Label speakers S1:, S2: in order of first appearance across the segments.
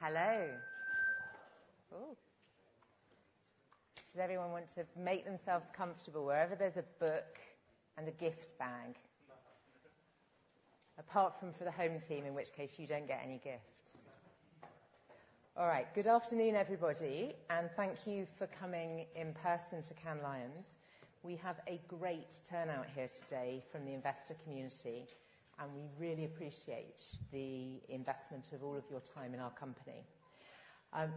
S1: Hello! Oh, does everyone want to make themselves comfortable wherever there's a book and a gift bag? Apart from for the home team, in which case you don't get any gifts. All right, good afternoon, everybody, and thank you for coming in person to Cannes Lions. We have a great turnout here today from the investor community, and we really appreciate the investment of all of your time in our company.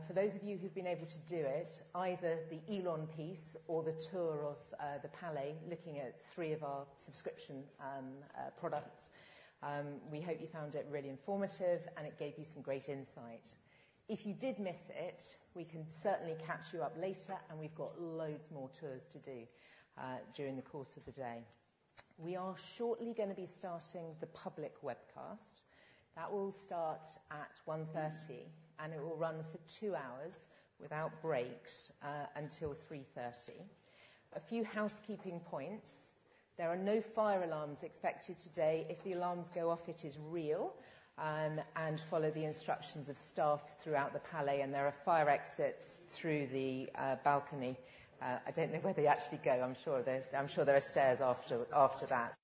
S1: For those of you who've been able to do it, either the Elon piece or the tour of the Palais, looking at three of our subscription products, we hope you found it really informative, and it gave you some great insight. If you did miss it, we can certainly catch you up later, and we've got loads more tours to do during the course of the day. We are shortly gonna be starting the public webcast. That will start at 1:30 P.M., and it will run for 2 hours without breaks until 3:30 P.M. A few housekeeping points: There are no fire alarms expected today. If the alarms go off, it is real, and follow the instructions of staff throughout the Palais, and there are fire exits through the balcony. I don't know where they actually go. I'm sure there are stairs after that.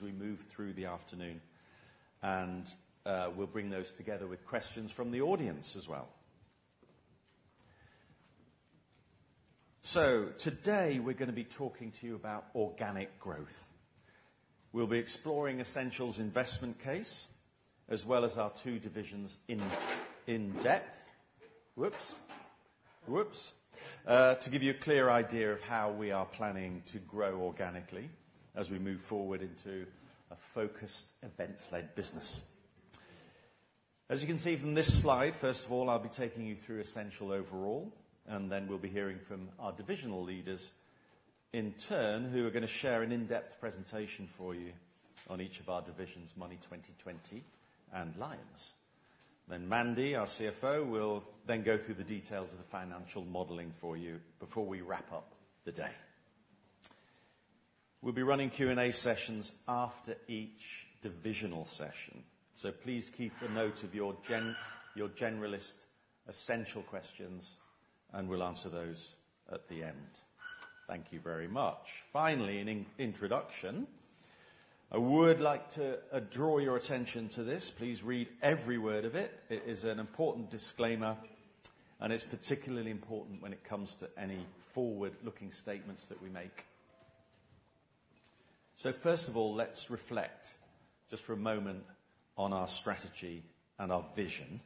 S2: As we move through the afternoon, we'll bring those together with questions from the audience as well. So today, we're gonna be talking to you about organic growth. We'll be exploring Ascential's investment case, as well as our two divisions in depth. To give you a clear idea of how we are planning to grow organically as we move forward into a focused events-led business. As you can see from this slide, first of all, I'll be taking you through Ascential overall, and then we'll be hearing from our divisional leaders in turn, who are gonna share an in-depth presentation for you on each of our divisions, Money20/20 and Lions. Then Mandy, our CFO, will then go through the details of the financial modeling for you before we wrap up the day. We'll be running Q&A sessions after each divisional session, so please keep a note of your generalist Ascential questions, and we'll answer those at the end. Thank you very much. Finally, in introduction, I would like to draw your attention to this. Please read every word of it. It is an important disclaimer, and it's particularly important when it comes to any forward-looking statements that we make. So first of all, let's reflect just for a moment on our strategy and our vision.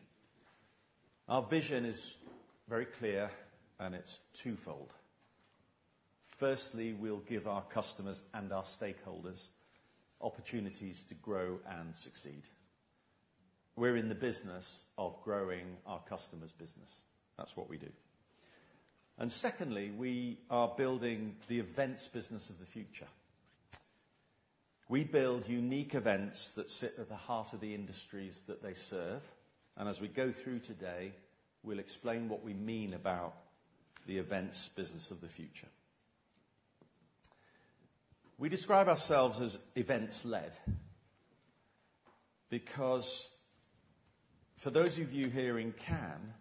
S2: Our vision is very clear, and it's twofold. Firstly, we'll give our customers and our stakeholders opportunities to grow and succeed. We're in the business of growing our customers' business. That's what we do. And secondly, we are building the events business of the future. We build unique events that sit at the heart of the industries that they serve, and as we go through today, we'll explain what we mean about the events business of the future. We describe ourselves as events-led, because for those of you here in Cannes,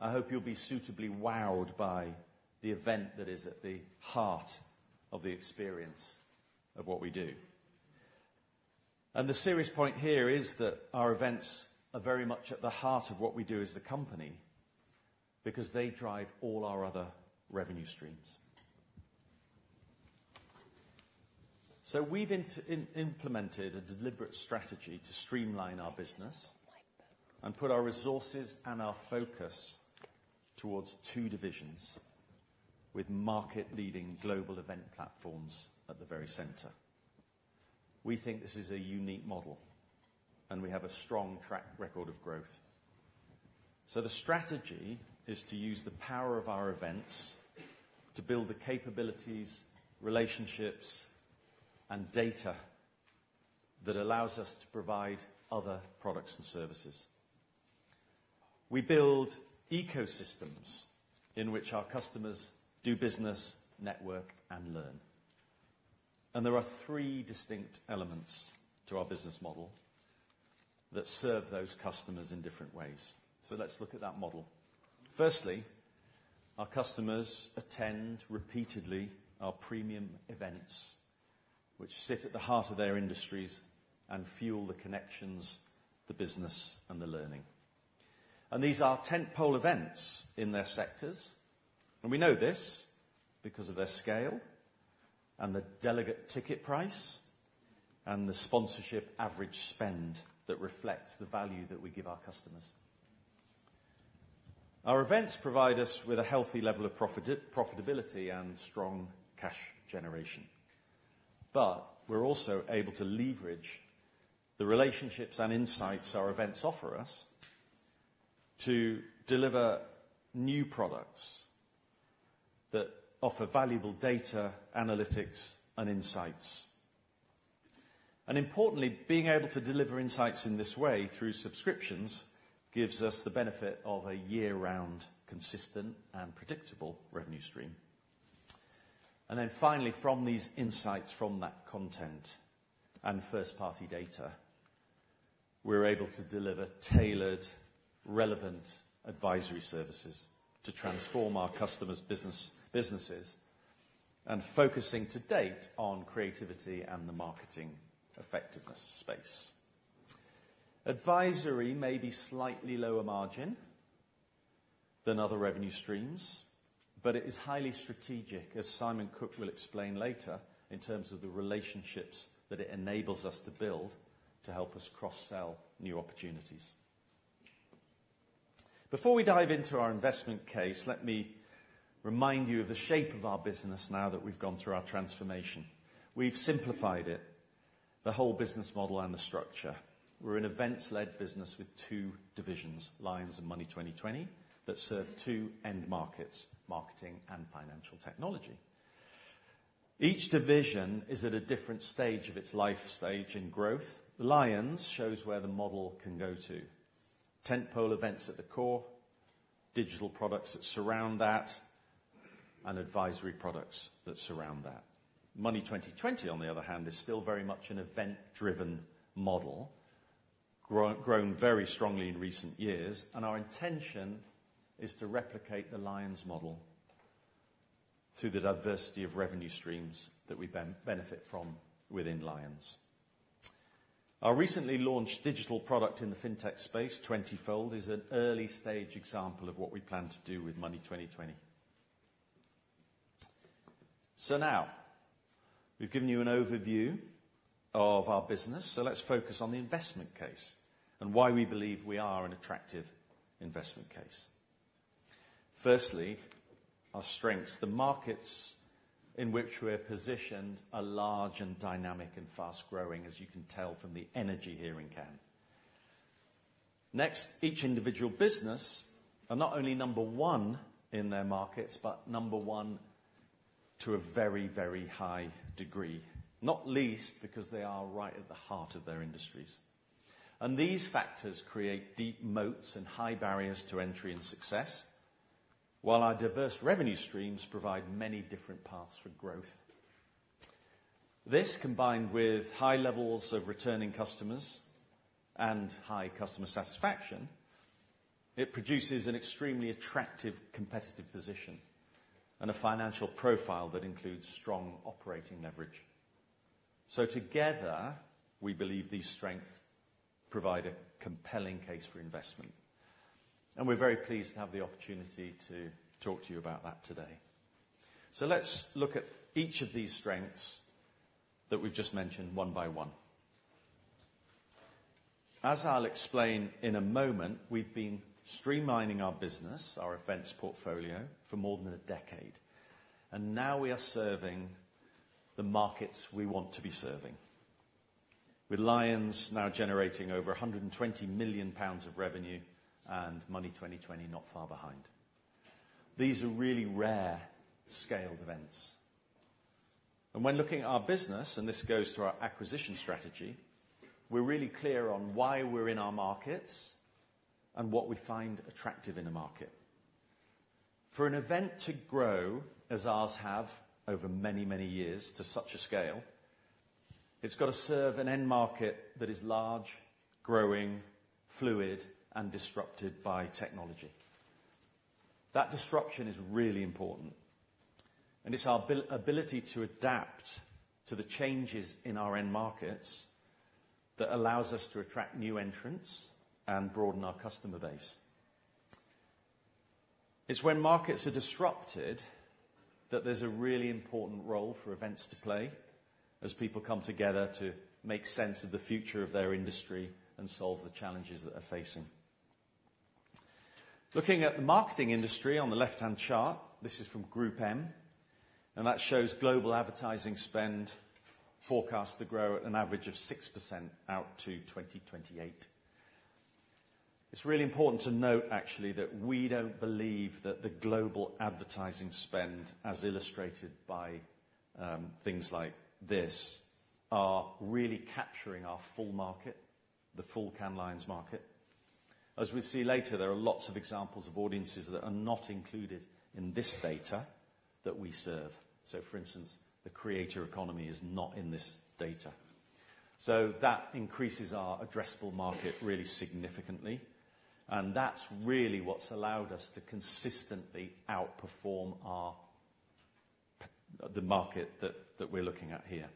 S2: I hope you'll be suitably wowed by the event that is at the heart of the experience of what we do. The serious point here is that our events are very much at the heart of what we do as a company, because they drive all our other revenue streams. So we've implemented a deliberate strategy to streamline our business and put our resources and our focus towards two divisions with market-leading global event platforms at the very center. We think this is a unique model, and we have a strong track record of growth. So the strategy is to use the power of our events to build the capabilities, relationships, and data that allows us to provide other products and services. We build ecosystems in which our customers do business, network, and learn. And there are three distinct elements to our business model that serve those customers in different ways. So let's look at that model. Firstly, our customers attend repeatedly our premium events, which sit at the heart of their industries and fuel the connections, the business, and the learning. These are tentpole events in their sectors, and we know this because of their scale, and the delegate ticket price, and the sponsorship average spend that reflects the value that we give our customers. Our events provide us with a healthy level of profitability and strong cash generation, but we're also able to leverage the relationships and insights our events offer us to deliver new products that offer valuable data, analytics, and insights. Importantly, being able to deliver insights in this way, through subscriptions, gives us the benefit of a year-round, consistent and predictable revenue stream. Then finally, from these insights, from that content and first-party data, we're able to deliver tailored, relevant advisory services to transform our customers' business, businesses, and focusing to date on creativity and the marketing effectiveness space. Advisory may be slightly lower margin than other revenue streams, but it is highly strategic, as Simon Cook will explain later, in terms of the relationships that it enables us to build to help us cross-sell new opportunities. Before we dive into our investment case, let me remind you of the shape of our business now that we've gone through our transformation. We've simplified it, the whole business model and the structure. We're an events-led business with two divisions, Lions and Money20/20, that serve two end markets, marketing and financial technology. Each division is at a different stage of its life stage in growth. Lions shows where the model can go to. Tentpole events at the core, digital products that surround that, and advisory products that surround that. Money20/20, on the other hand, is still very much an event-driven model, grown very strongly in recent years, and our intention is to replicate the Lions model through the diversity of revenue streams that we benefit from within Lions. Our recently launched digital product in the fintech space, TwentyFold, is an early-stage example of what we plan to do with Money20/20. So now, we've given you an overview of our business, so let's focus on the investment case and why we believe we are an attractive investment case. Firstly, our strengths. The markets in which we're positioned are large, and dynamic, and fast-growing, as you can tell from the energy here in Cannes. Next, each individual business are not only number one in their markets, but number one to a very, very high degree, not least because they are right at the heart of their industries. These factors create deep moats and high barriers to entry and success, while our diverse revenue streams provide many different paths for growth. This, combined with high levels of returning customers and high customer satisfaction, it produces an extremely attractive, competitive position and a financial profile that includes strong operating leverage. Together, we believe these strengths provide a compelling case for investment, and we're very pleased to have the opportunity to talk to you about that today. Let's look at each of these strengths that we've just mentioned one by one. As I'll explain in a moment, we've been streamlining our business, our events portfolio, for more than a decade, and now we are serving the markets we want to be serving, with Lions now generating over 120 million pounds of revenue and Money20/20 not far behind. These are really rare scaled events. When looking at our business, and this goes to our acquisition strategy, we're really clear on why we're in our markets and what we find attractive in a market. For an event to grow, as ours have over many, many years, to such a scale, it's got to serve an end market that is large, growing, fluid, and disrupted by technology. That disruption is really important, and it's our ability to adapt to the changes in our end markets that allows us to attract new entrants and broaden our customer base. It's when markets are disrupted that there's a really important role for events to play as people come together to make sense of the future of their industry and solve the challenges that they're facing. Looking at the marketing industry on the left-hand chart, this is from GroupM, and that shows global advertising spend forecast to grow at an average of 6% out to 2028. It's really important to note, actually, that we don't believe that the global advertising spend, as illustrated by, things like this, are really capturing our full market, the full Cannes Lions market. As we see later, there are lots of examples of audiences that are not included in this data that we serve. So, for instance, the creator economy is not in this data. So that increases our addressable market really significantly, and that's really what's allowed us to consistently outperform the market that we're looking at here.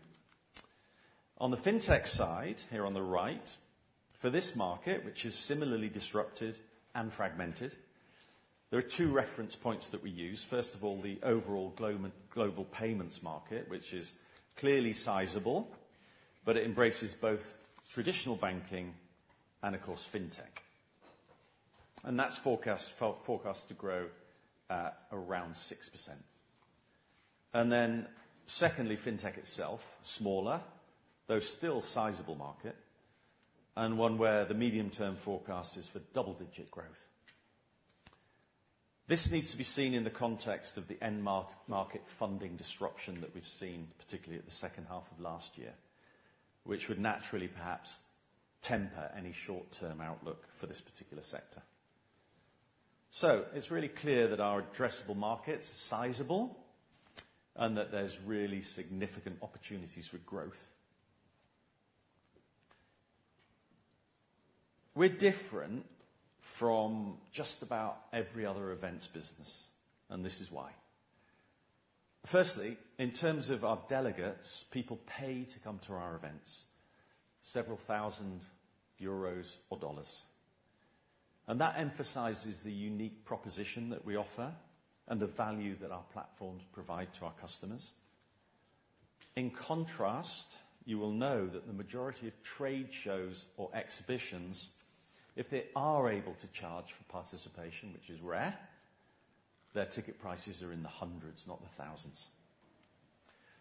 S2: On the fintech side, here on the right, for this market, which is similarly disrupted and fragmented, there are two reference points that we use. First of all, the overall global payments market, which is clearly sizable, but it embraces both traditional banking and, of course, fintech. And that's forecast to grow at around 6%. And then, secondly, fintech itself, smaller, though still sizable market, and one where the medium-term forecast is for double-digit growth. This needs to be seen in the context of the market funding disruption that we've seen, particularly at the second half of last year, which would naturally perhaps temper any short-term outlook for this particular sector. So it's really clear that our addressable markets are sizable, and that there's really significant opportunities for growth. We're different from just about every other events business, and this is why. Firstly, in terms of our delegates, people pay to come to our events, several thousand EUR or USD, and that emphasizes the unique proposition that we offer and the value that our platforms provide to our customers. In contrast, you will know that the majority of trade shows or exhibitions, if they are able to charge for participation, which is rare, their ticket prices are in the hundreds, not the thousands.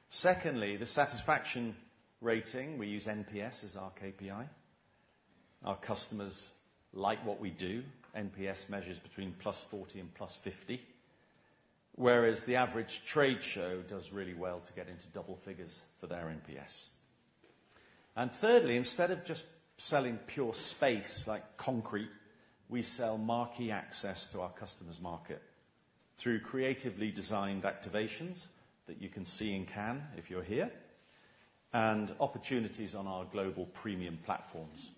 S2: Secondly, the satisfaction rating, we use NPS as our KPI. Our customers like what we do. NPS measures between +40 and +50, whereas the average trade show does really well to get into double figures for their NPS. And thirdly, instead of just selling pure space like concrete, we sell marquee access to our customers' market through creatively designed activations that you can see in Cannes if you're here, and opportunities on our global premium platforms.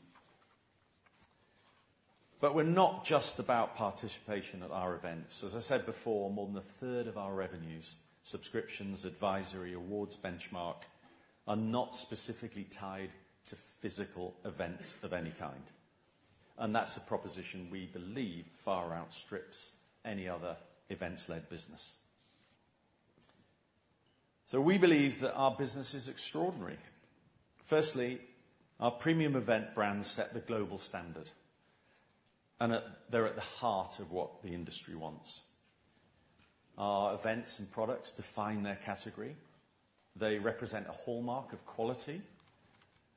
S2: But we're not just about participation at our events. As I said before, more than a third of our revenues, subscriptions, advisory, awards, benchmark, are not specifically tied to physical events of any kind, and that's a proposition we believe far outstrips any other events-led business. So we believe that our business is extraordinary. Firstly, our premium event brands set the global standard, and they're at the heart of what the industry wants. Our events and products define their category. They represent a hallmark of quality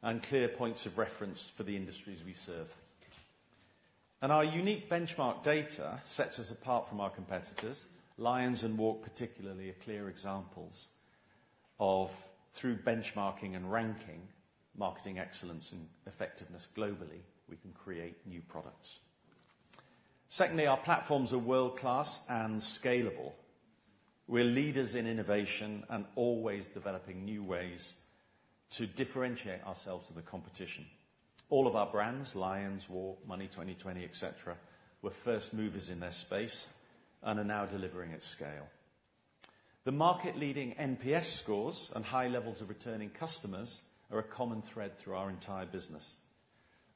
S2: and clear points of reference for the industries we serve. And our unique benchmark data sets us apart from our competitors. Lions and WARC, particularly, are clear examples of, through benchmarking and ranking, marketing excellence and effectiveness globally, we can create new products. Secondly, our platforms are world-class and scalable. We're leaders in innovation and always developing new ways to differentiate ourselves from the competition. All of our brands, Lions, WARC, Money20/20, et cetera, were first movers in their space and are now delivering at scale. The market-leading NPS scores and high levels of returning customers are a common thread through our entire business,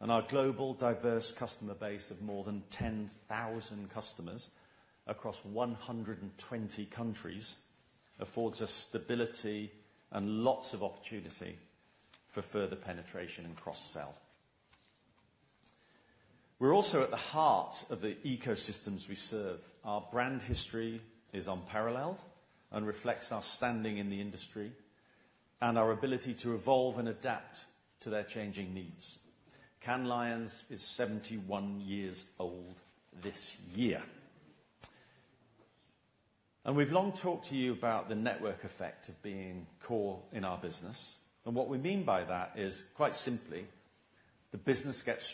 S2: and our global, diverse customer base of more than 10,000 customers across 120 countries affords us stability and lots of opportunity for further penetration and cross-sell. We're also at the heart of the ecosystems we serve. Our brand history is unparalleled and reflects our standing in the industry and our ability to evolve and adapt to their changing needs. Cannes Lions is 71 years old this year. We've long talked to you about the network effect of being core in our business, and what we mean by that is, quite simply, the business gets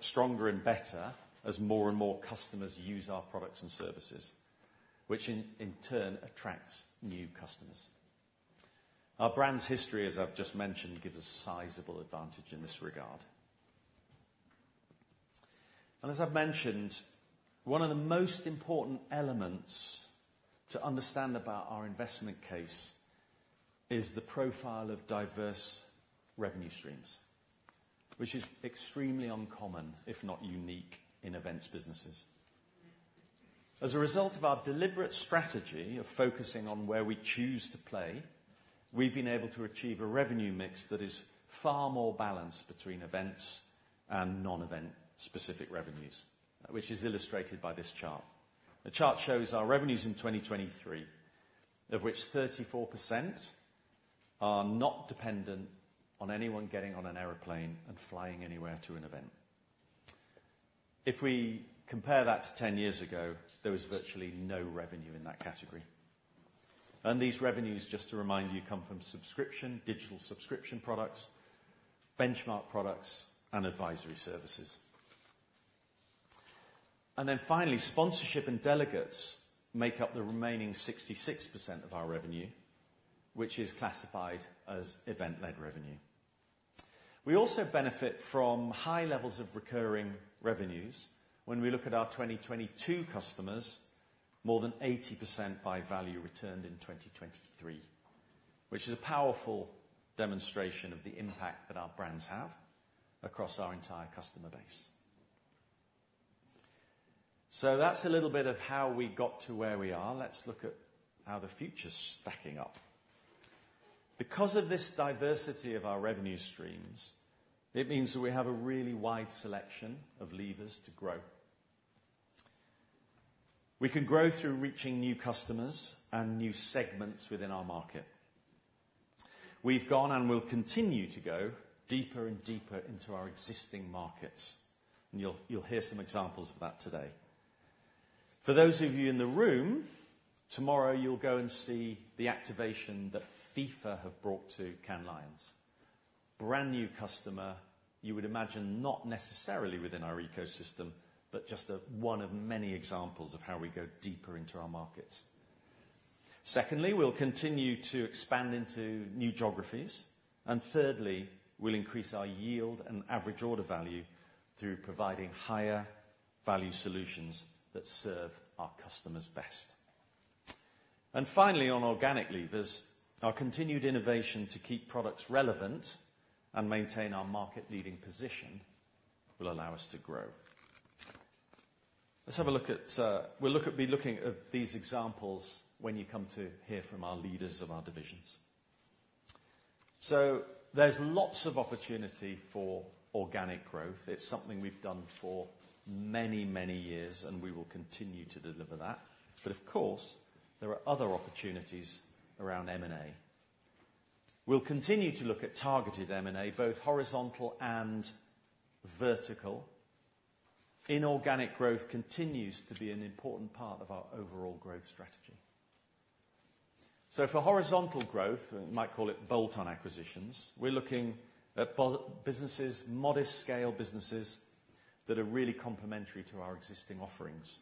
S2: stronger and better as more and more customers use our products and services, which in turn attracts new customers. Our brand's history, as I've just mentioned, gives us sizable advantage in this regard. As I've mentioned, one of the most important elements to understand about our investment case is the profile of diverse revenue streams, which is extremely uncommon, if not unique, in events businesses. As a result of our deliberate strategy of focusing on where we choose to play, we've been able to achieve a revenue mix that is far more balanced between events and non-event specific revenues, which is illustrated by this chart. The chart shows our revenues in 2023, of which 34% are not dependent on anyone getting on an airplane and flying anywhere to an event. If we compare that to 10 years ago, there was virtually no revenue in that category. And these revenues, just to remind you, come from subscription, digital subscription products, benchmark products, and advisory services. And then finally, sponsorship and delegates make up the remaining 66% of our revenue, which is classified as event-led revenue. We also benefit from high levels of recurring revenues. When we look at our 2022 customers, more than 80% by value returned in 2023, which is a powerful demonstration of the impact that our brands have across our entire customer base. So that's a little bit of how we got to where we are. Let's look at how the future's stacking up. Because of this diversity of our revenue streams, it means that we have a really wide selection of levers to grow. We can grow through reaching new customers and new segments within our market. We've gone and will continue to go deeper and deeper into our existing markets, and you'll, you'll hear some examples of that today. For those of you in the room, tomorrow, you'll go and see the activation that FIFA have brought to Cannes Lions. Brand-new customer, you would imagine, not necessarily within our ecosystem, but just one of many examples of how we go deeper into our markets. Secondly, we'll continue to expand into new geographies. And thirdly, we'll increase our yield and average order value through providing higher-value solutions that serve our customers best. And finally, on organic levers, our continued innovation to keep products relevant and maintain our market-leading position will allow us to grow. Let's have a look at. We'll look at these examples when you come to hear from our leaders of our divisions. So there's lots of opportunity for organic growth. It's something we've done for many, many years, and we will continue to deliver that. But of course, there are other opportunities around M&A. We'll continue to look at targeted M&A, both horizontal and vertical. Inorganic growth continues to be an important part of our overall growth strategy. So for horizontal growth, you might call it bolt-on acquisitions, we're looking at businesses, modest-scale businesses, that are really complementary to our existing offerings,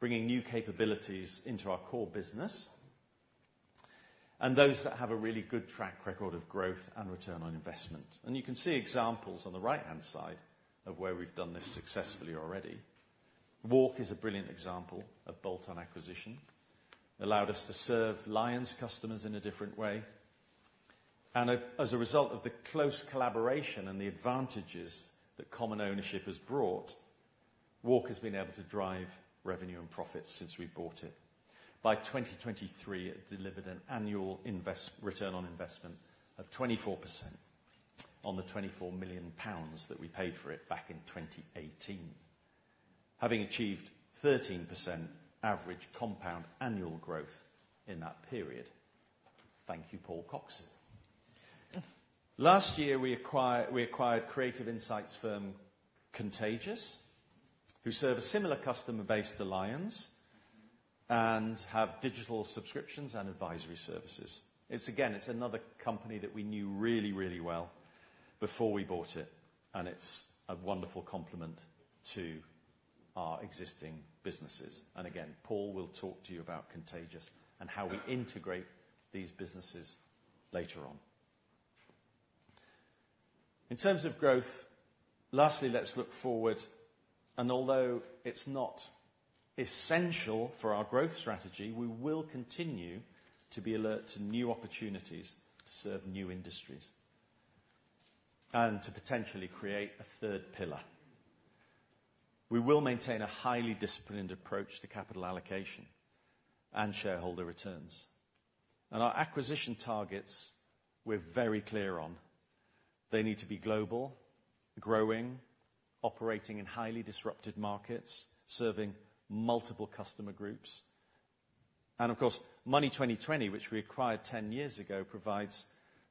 S2: bringing new capabilities into our core business, and those that have a really good track record of growth and return on investment. You can see examples on the right-hand side of where we've done this successfully already. WARC is a brilliant example of bolt-on acquisition. Allowed us to serve Lions customers in a different way.... As a result of the close collaboration and the advantages that common ownership has brought, WARC's been able to drive revenue and profits since we bought it. By 2023, it delivered an annual return on investment of 24% on the 24 million pounds that we paid for it back in 2018, having achieved 13% average compound annual growth in that period. Thank you, Paul Cox. Last year, we acquired creative insights firm Contagious, who serve a similar customer base to Lions and have digital subscriptions and advisory services. It's again, it's another company that we knew really, really well before we bought it, and it's a wonderful complement to our existing businesses. Again, Paul will talk to you about Contagious and how we integrate these businesses later on. In terms of growth, lastly, let's look forward, and although it's not essential for our growth strategy, we will continue to be alert to new opportunities to serve new industries and to potentially create a third pillar. We will maintain a highly disciplined approach to capital allocation and shareholder returns. Our acquisition targets, we're very clear on. They need to be global, growing, operating in highly disrupted markets, serving multiple customer groups. Of course, Money20/20, which we acquired 10 years ago, provides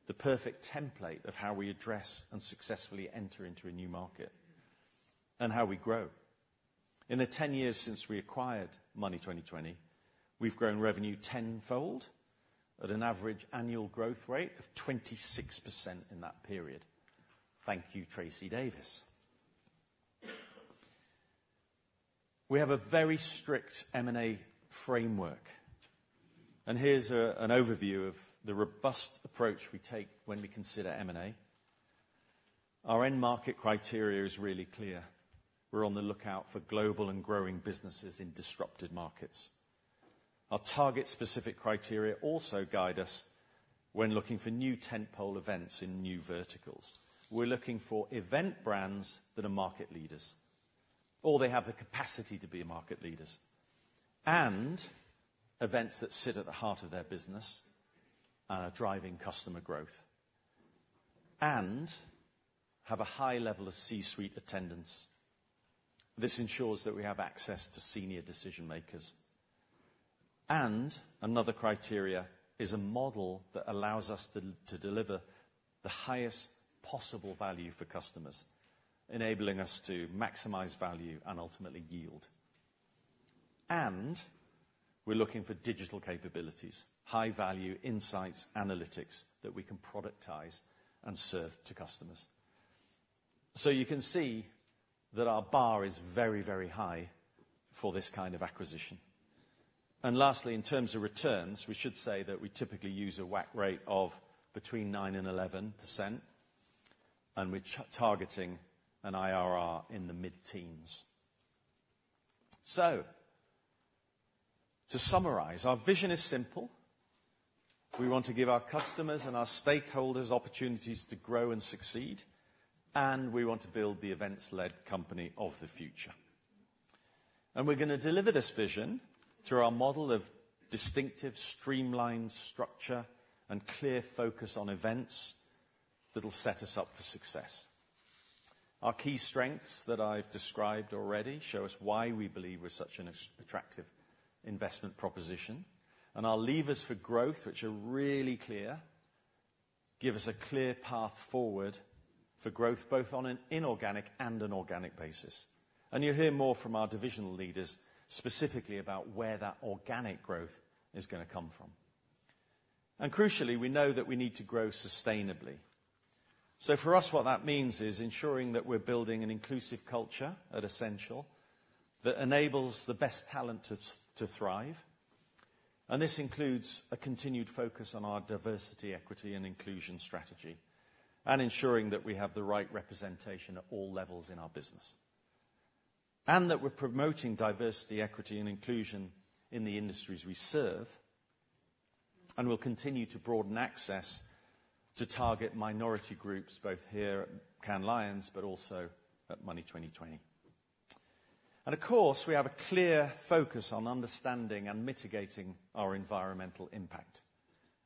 S2: the perfect template of how we address and successfully enter into a new market and how we grow. In the 10 years since we acquired Money20/20, we've grown revenue tenfold at an average annual growth rate of 26% in that period. Thank you, Tracey Davies. We have a very strict M&A framework, and here's an overview of the robust approach we take when we consider M&A. Our end market criteria is really clear. We're on the lookout for global and growing businesses in disrupted markets. Our target-specific criteria also guide us when looking for new tentpole events in new verticals. We're looking for event brands that are market leaders, or they have the capacity to be market leaders, and events that sit at the heart of their business, driving customer growth, and have a high level of C-suite attendance. This ensures that we have access to senior decision-makers. And another criteria is a model that allows us to deliver the highest possible value for customers, enabling us to maximize value and ultimately yield. And we're looking for digital capabilities, high-value insights, analytics that we can productize and serve to customers. So you can see that our bar is very, very high for this kind of acquisition. And lastly, in terms of returns, we should say that we typically use a WACC rate of between 9% and 11%, and we're targeting an IRR in the mid-teens. So to summarize, our vision is simple. We want to give our customers and our stakeholders opportunities to grow and succeed, and we want to build the events-led company of the future. We're gonna deliver this vision through our model of distinctive, streamlined structure and clear focus on events that'll set us up for success. Our key strengths that I've described already show us why we believe we're such an attractive investment proposition, and our levers for growth, which are really clear, give us a clear path forward for growth, both on an inorganic and an organic basis. You'll hear more from our divisional leaders, specifically about where that organic growth is gonna come from. Crucially, we know that we need to grow sustainably. For us, what that means is ensuring that we're building an inclusive culture at Ascential that enables the best talent to thrive. This includes a continued focus on our diversity, equity, and inclusion strategy, and ensuring that we have the right representation at all levels in our business, and that we're promoting diversity, equity, and inclusion in the industries we serve, and we'll continue to broaden access to target minority groups, both here at Cannes Lions, but also at Money20/20. Of course, we have a clear focus on understanding and mitigating our environmental impact.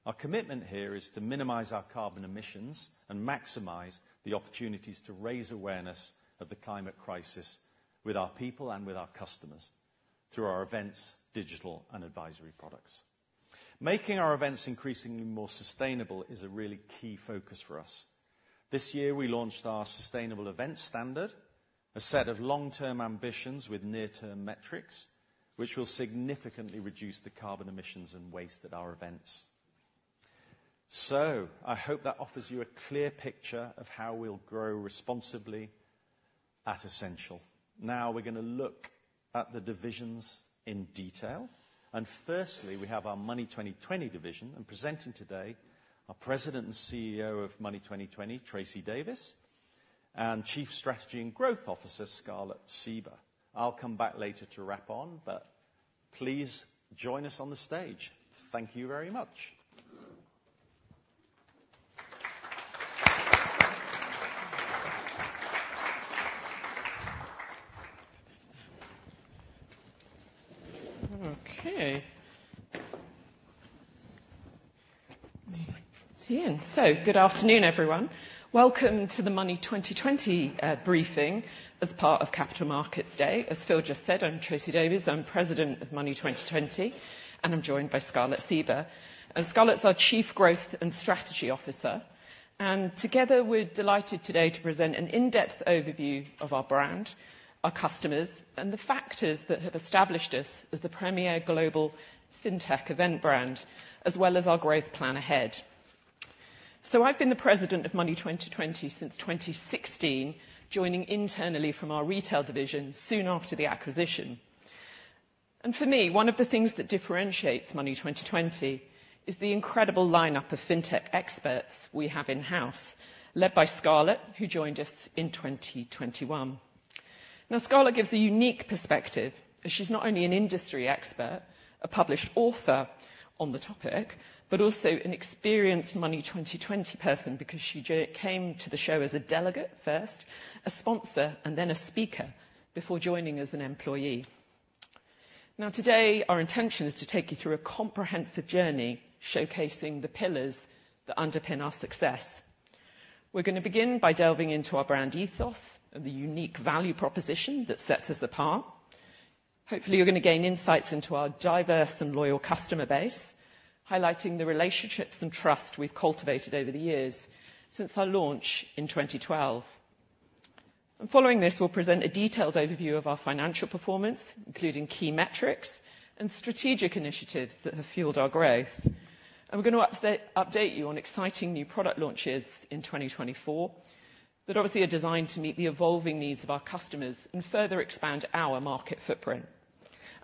S2: Our commitment here is to minimize our carbon emissions and maximize the opportunities to raise awareness of the climate crisis with our people and with our customers through our events, digital, and advisory products. Making our events increasingly more sustainable is a really key focus for us. This year, we launched our sustainable event standard, a set of long-term ambitions with near-term metrics, which will significantly reduce the carbon emissions and waste at our events. I hope that offers you a clear picture of how we'll grow responsibly at Ascential. Now we're gonna look at the divisions in detail, and firstly, we have our Money20/20 division, and presenting today, our President and CEO of Money20/20, Tracey Davies and Chief Strategy and Growth Officer, Scarlett Sieber. I'll come back later to wrap on, but please join us on the stage. Thank you very much.
S3: Okay. Good afternoon, everyone. Welcome to the Money20/20 briefing as part of Capital Markets Day. As Phil just said, I'm Tracey Davies, I'm President of Money20/20, and I'm joined by Scarlett Sieber. Scarlett's our Chief Strategy and Growth Officer. Together, we're delighted today to present an in-depth overview of our brand, our customers, and the factors that have established us as the premier global fintech event brand, as well as our growth plan ahead. I've been the president of Money20/20 since 2016, joining internally from our retail division soon after the acquisition. For me, one of the things that differentiates Money20/20 is the incredible lineup of fintech experts we have in-house, led by Scarlett, who joined us in 2021. Now, Scarlett gives a unique perspective, as she's not only an industry expert, a published author on the topic, but also an experienced Money20/20 person because she came to the show as a delegate first, a sponsor, and then a speaker before joining as an employee. Now, today, our intention is to take you through a comprehensive journey showcasing the pillars that underpin our success. We're gonna begin by delving into our brand ethos and the unique value proposition that sets us apart. Hopefully, you're gonna gain insights into our diverse and loyal customer base, highlighting the relationships and trust we've cultivated over the years since our launch in 2012. Following this, we'll present a detailed overview of our financial performance, including key metrics and strategic initiatives that have fueled our growth. And we're gonna update you on exciting new product launches in 2024, that obviously are designed to meet the evolving needs of our customers and further expand our market footprint.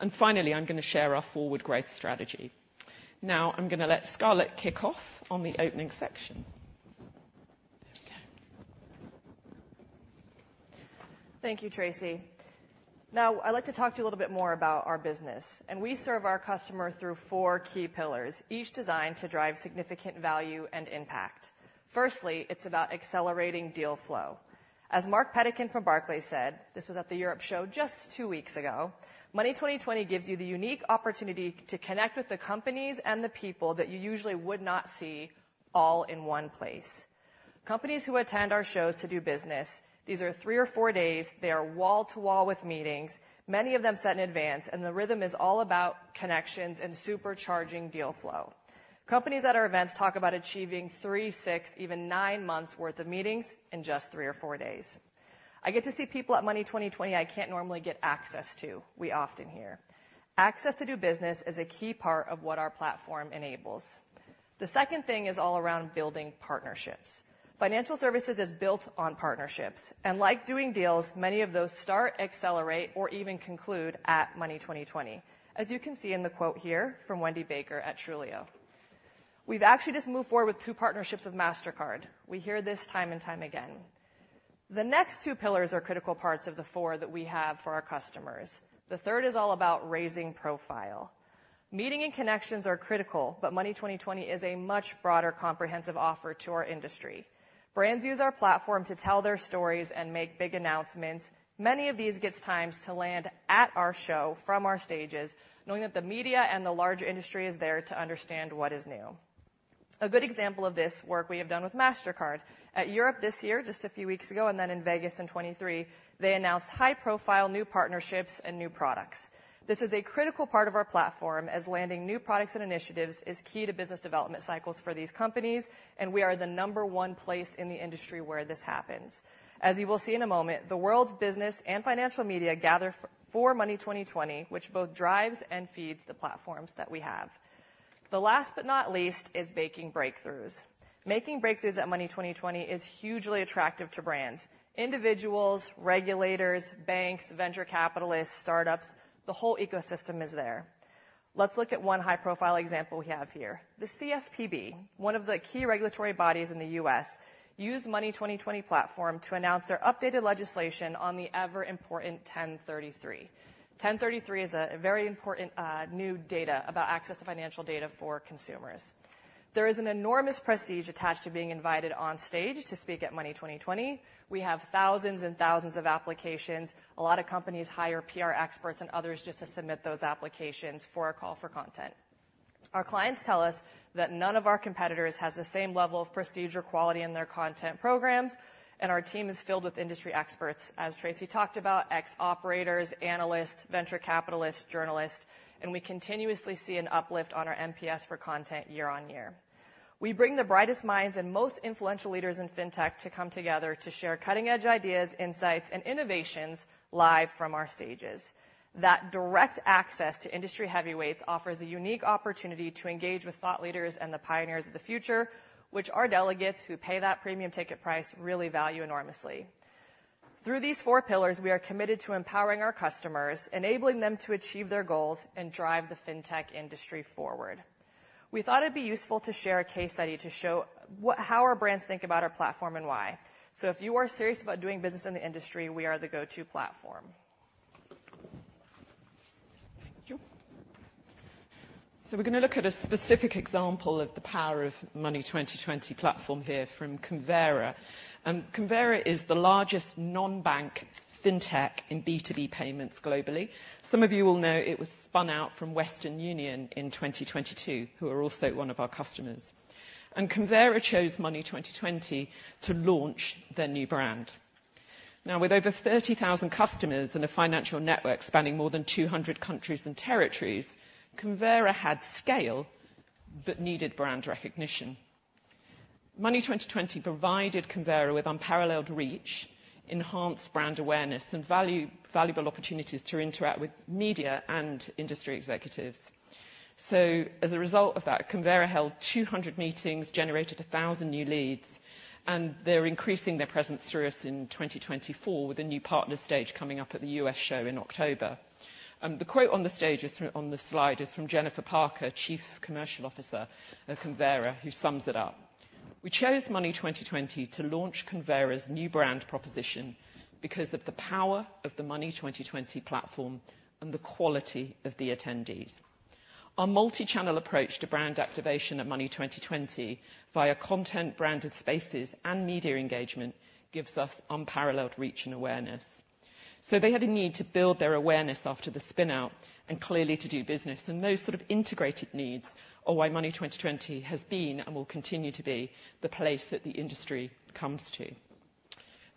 S3: And finally, I'm gonna share our forward growth strategy. Now, I'm gonna let Scarlett kick off on the opening section. Okay.
S4: Thank you, Tracey. Now, I'd like to talk to you a little bit more about our business, and we serve our customer through four key pillars, each designed to drive significant value and impact. Firstly, it's about accelerating deal flow. As Marc Pettican from Barclays said, this was at the Europe show just two weeks ago, "Money20/20 gives you the unique opportunity to connect with the companies and the people that you usually would not see all in one place." Companies who attend our shows to do business, these are three or four days. They are wall to wall with meetings, many of them set in advance, and the rhythm is all about connections and supercharging deal flow. Companies at our events talk about achieving three, six, even nine months worth of meetings in just three or four days. I get to see people at Money20/20 I can't normally get access to," we often hear. Access to do business is a key part of what our platform enables. The second thing is all around building partnerships. Financial services is built on partnerships, and like doing deals, many of those start, accelerate, or even conclude at Money20/20. As you can see in the quote here from Wendy Baker at Trulioo, "We've actually just moved forward with two partnerships with Mastercard." We hear this time and time again. The next two pillars are critical parts of the four that we have for our customers. The third is all about raising profile. Meeting and connections are critical, but Money20/20 is a much broader, comprehensive offer to our industry. Brands use our platform to tell their stories and make big announcements. Many of these get times to land at our show from our stages, knowing that the media and the larger industry is there to understand what is new. A good example of this work we have done with Mastercard. At Europe this year, just a few weeks ago, and then in Vegas in 2023, they announced high-profile new partnerships and new products. This is a critical part of our platform, as landing new products and initiatives is key to business development cycles for these companies, and we are the number one place in the industry where this happens. As you will see in a moment, the world's business and financial media gather for Money20/20, which both drives and feeds the platforms that we have. Last but not least is making breakthroughs. Making breakthroughs at Money20/20 is hugely attractive to brands. Individuals, regulators, banks, venture capitalists, startups, the whole ecosystem is there. Let's look at one high-profile example we have here. The CFPB, one of the key regulatory bodies in the U.S., used Money20/20 platform to announce their updated legislation on the ever-important 1033. Ten thirty-three is a very important new data about access to financial data for consumers. There is an enormous prestige attached to being invited on stage to speak at Money20/20. We have thousands and thousands of applications. A lot of companies hire PR experts and others just to submit those applications for our call for content. Our clients tell us that none of our competitors has the same level of prestige or quality in their content programs, and our team is filled with industry experts. As Tracey talked about, ex-operators, analysts, venture capitalists, journalists, and we continuously see an uplift on our NPS for content year on year. We bring the brightest minds and most influential leaders in fintech to come together to share cutting-edge ideas, insights, and innovations live from our stages. That direct access to industry heavyweights offers a unique opportunity to engage with thought leaders and the pioneers of the future, which our delegates who pay that premium ticket price really value enormously.... Through these four pillars, we are committed to empowering our customers, enabling them to achieve their goals, and drive the fintech industry forward. We thought it'd be useful to share a case study to show how our brands think about our platform and why. So if you are serious about doing business in the industry, we are the go-to platform.
S3: Thank you. So we're gonna look at a specific example of the power of Money20/20 platform here from Convera. Convera is the largest non-bank fintech in B2B payments globally. Some of you will know it was spun out from Western Union in 2022, who are also one of our customers. And Convera chose Money20/20 to launch their new brand. Now, with over 30,000 customers and a financial network spanning more than 200 countries and territories, Convera had scale, but needed brand recognition. Money20/20 provided Convera with unparalleled reach, enhanced brand awareness, and valuable opportunities to interact with media and industry executives. So as a result of that, Convera held 200 meetings, generated 1,000 new leads, and they're increasing their presence through us in 2024, with a new partner stage coming up at the U.S. show in October. The quote on the stage is from... on the slide is from Jennifer Parker, Chief Commercial Officer at Convera, who sums it up: "We chose Money20/20 to launch Convera's new brand proposition because of the power of the Money20/20 platform and the quality of the attendees. Our multi-channel approach to brand activation at Money20/20, via content, branded spaces, and media engagement, gives us unparalleled reach and awareness." So they had a need to build their awareness after the spin-out, and clearly to do business, and those sort of integrated needs are why Money20/20 has been, and will continue to be, the place that the industry comes to.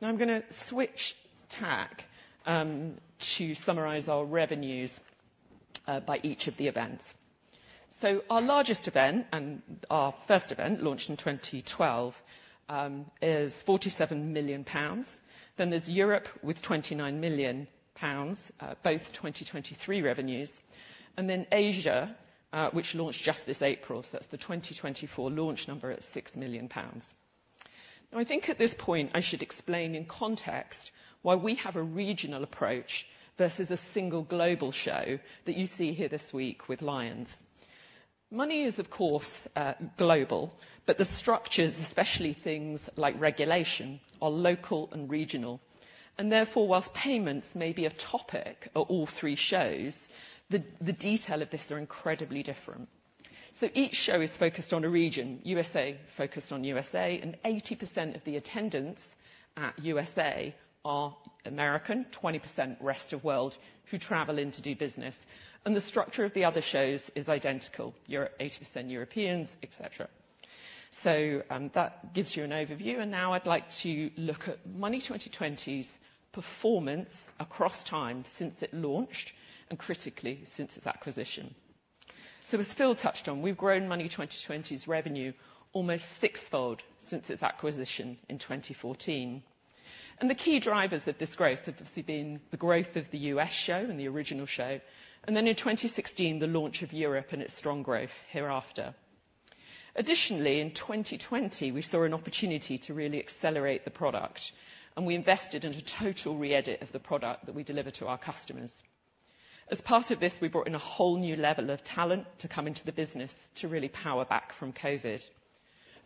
S3: Now I'm gonna switch tack to summarize our revenues by each of the events. So our largest event, and our first event, launched in 2012, is 47 million pounds. Then there's Europe with 29 million pounds, both 2023 revenues. And then Asia, which launched just this April, so that's the 2024 launch number at 6 million pounds. Now I think at this point I should explain in context why we have a regional approach versus a single global show that you see here this week with Lions. Money is, of course, global, but the structures, especially things like regulation, are local and regional. And therefore, whilst payments may be a topic at all three shows, the, the detail of this are incredibly different. So each show is focused on a region: USA focused on USA, and 80% of the attendance at USA are American, 20% rest of world, who travel in to do business. And the structure of the other shows is identical. Europe, 80% Europeans, et cetera. So, that gives you an overview, and now I'd like to look at Money20/20's performance across time since it launched, and critically, since its acquisition. As Phil touched on, we've grown Money20/20's revenue almost sixfold since its acquisition in 2014. The key drivers of this growth have obviously been the growth of the U.S. show, and the original show, and then in 2016, the launch of Europe and its strong growth hereafter. Additionally, in 2020, we saw an opportunity to really accelerate the product, and we invested in a total re-edit of the product that we deliver to our customers. As part of this, we brought in a whole new level of talent to come into the business to really power back from COVID.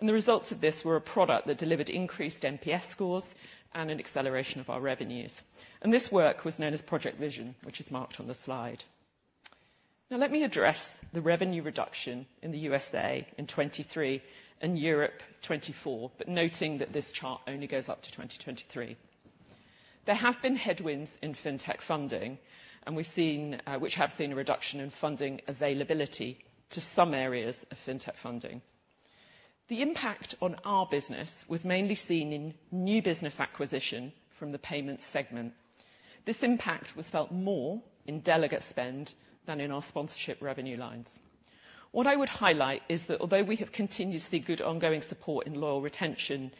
S3: The results of this were a product that delivered increased NPS scores and an acceleration of our revenues. This work was known as Project Vision, which is marked on the slide. Now, let me address the revenue reduction in the USA in 2023 and Europe 2024, but noting that this chart only goes up to 2023. There have been headwinds in fintech funding, and we've seen which have seen a reduction in funding availability to some areas of fintech funding. The impact on our business was mainly seen in new business acquisition from the payments segment. This impact was felt more in delegate spend than in our sponsorship revenue lines. What I would highlight is that although we have continued to see good ongoing support in loyal retention,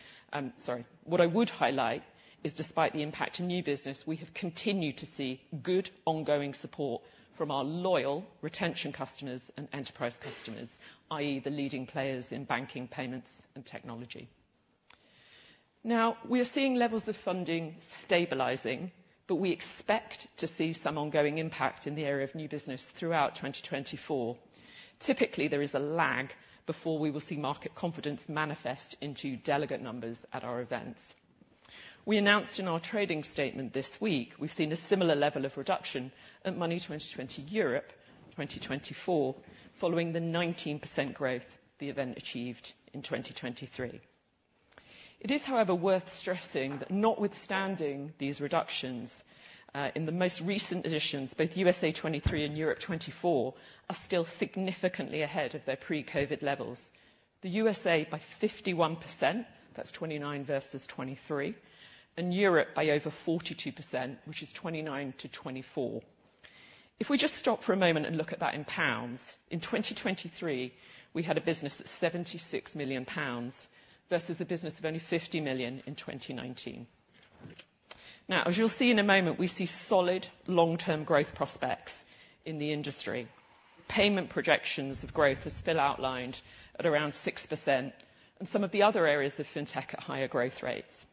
S3: sorry. What I would highlight is, despite the impact to new business, we have continued to see good ongoing support from our loyal retention customers and enterprise customers, i.e., the leading players in banking, payments, and technology. Now, we are seeing levels of funding stabilizing, but we expect to see some ongoing impact in the area of new business throughout 2024. Typically, there is a lag before we will see market confidence manifest into delegate numbers at our events. We announced in our trading statement this week, we've seen a similar level of reduction at Money20/20 Europe 2024, following the 19% growth the event achieved in 2023. It is, however, worth stressing that notwithstanding these reductions, in the most recent editions, both USA 2023 and Europe 2024 are still significantly ahead of their pre-COVID levels. The USA by 51%, that's 29 versus 23, and Europe by over 42%, which is 29 to 24. If we just stop for a moment and look at that in pounds, in 2023, we had a business that's 76 million pounds, versus a business of only 50 million in 2019. Now, as you'll see in a moment, we see solid long-term growth prospects in the industry. Payment projections of growth as Phil outlined at around 6%, and some of the other areas of fintech at higher growth rates.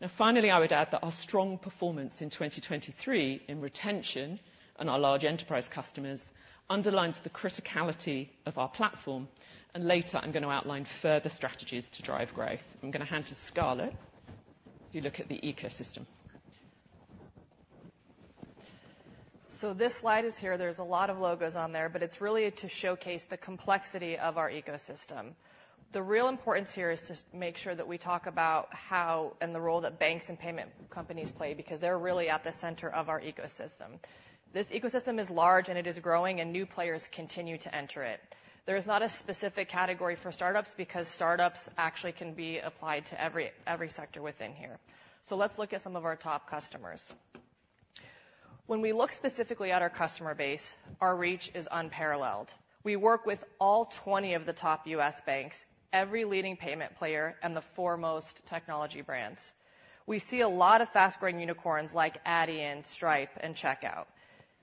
S3: Now, finally, I would add that our strong performance in 2023 in retention and our large enterprise customers underlines the criticality of our platform, and later I'm going to outline further strategies to drive growth. I'm going to hand to Scarlett if you look at the ecosystem.
S4: So this slide is here. There's a lot of logos on there, but it's really to showcase the complexity of our ecosystem. The real importance here is to make sure that we talk about how and the role that banks and payment companies play, because they're really at the center of our ecosystem. This ecosystem is large, and it is growing, and new players continue to enter it. There is not a specific category for startups because startups actually can be applied to every sector within here. So let's look at some of our top customers. When we look specifically at our customer base, our reach is unparalleled. We work with all 20 of the top U.S. banks, every leading payment player, and the foremost technology brands. We see a lot of fast-growing unicorns like Adyen, Stripe, and Checkout.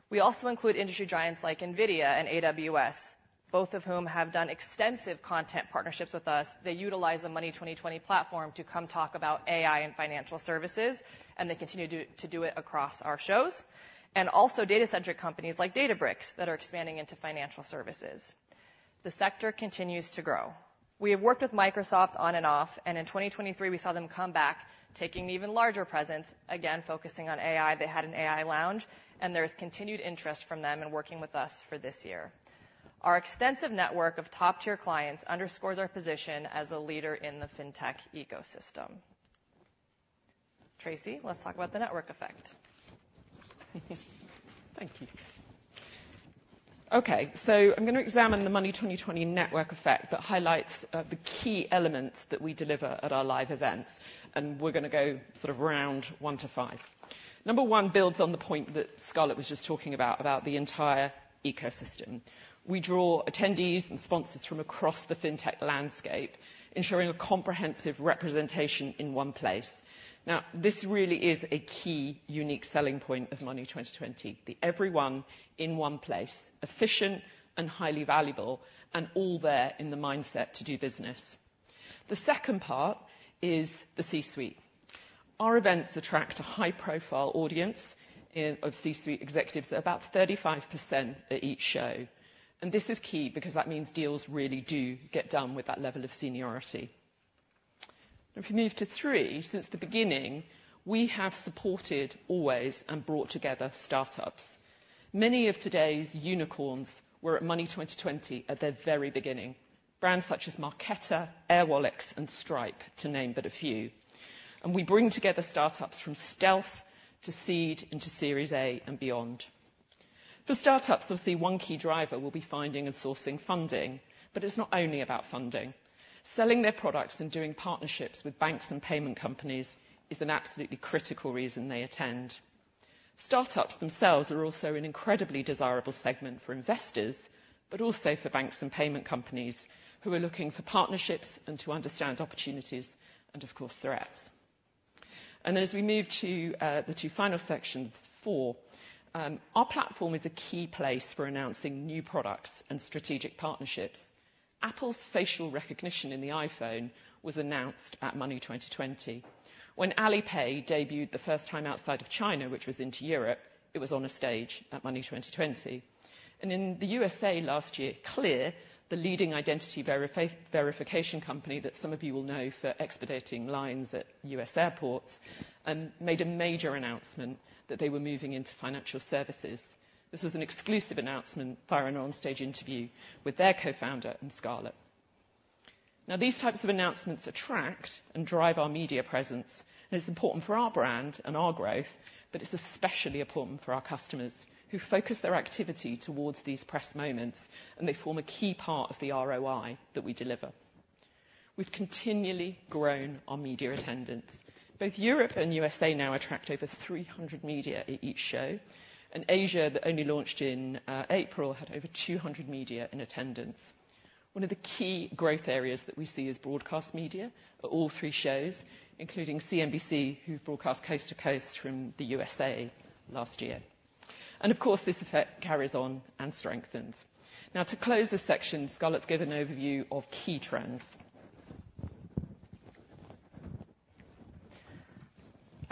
S4: We also include industry giants like NVIDIA and AWS, both of whom have done extensive content partnerships with us. They utilize the Money20/20 platform to come talk about AI and financial services, and they continue to do it across our shows. Also data-centric companies like Databricks that are expanding into financial services. The sector continues to grow. We have worked with Microsoft on and off, and in 2023, we saw them come back, taking an even larger presence, again, focusing on AI. They had an AI lounge, and there is continued interest from them in working with us for this year. Our extensive network of top-tier clients underscores our position as a leader in the fintech ecosystem. Tracey, let's talk about the network effect.
S3: Thank you. Okay, so I'm going to examine the Money20/20 network effect that highlights the key elements that we deliver at our live events, and we're going to go sort of from one to five. Number one builds on the point that Scarlett was just talking about, about the entire ecosystem. We draw attendees and sponsors from across the fintech landscape, ensuring a comprehensive representation in one place. Now, this really is a key, unique selling point of Money20/20. The everyone in one place, efficient and highly valuable, and all there in the mindset to do business. The second part is the C-suite. Our events attract a high-profile audience of C-suite executives, about 35% at each show. This is key because that means deals really do get done with that level of seniority. If we move to three, since the beginning, we have supported always and brought together startups. Many of today's unicorns were at Money20/20 at their very beginning. Brands such as Marqeta, Airwallex, and Stripe, to name but a few. And we bring together startups from stealth to seed, into Series A, and beyond. For startups, obviously, one key driver will be finding and sourcing funding, but it's not only about funding. Selling their products and doing partnerships with banks and payment companies is an absolutely critical reason they attend. Startups themselves are also an incredibly desirable segment for investors, but also for banks and payment companies who are looking for partnerships and to understand opportunities and, of course, threats. And then as we move to the two final sections, four, our platform is a key place for announcing new products and strategic partnerships. Apple's facial recognition in the iPhone was announced at Money20/20. When Alipay debuted the first time outside of China, which was into Europe, it was on a stage at Money20/20. In the USA last year, Clear, the leading identity verification company that some of you will know for expediting lines at U.S. airports, made a major announcement that they were moving into financial services. This was an exclusive announcement via an on-stage interview with their co-founder and Scarlett. Now, these types of announcements attract and drive our media presence, and it's important for our brand and our growth, but it's especially important for our customers, who focus their activity towards these press moments, and they form a key part of the ROI that we deliver. We've continually grown our media attendance. Both Europe and USA now attract over 300 media at each show, and Asia, that only launched in April, had over 200 media in attendance. One of the key growth areas that we see is broadcast media for all three shows, including CNBC, who broadcast coast to coast from the USA last year. And of course, this effect carries on and strengthens. Now, to close this section, Scarlett, give an overview of key trends.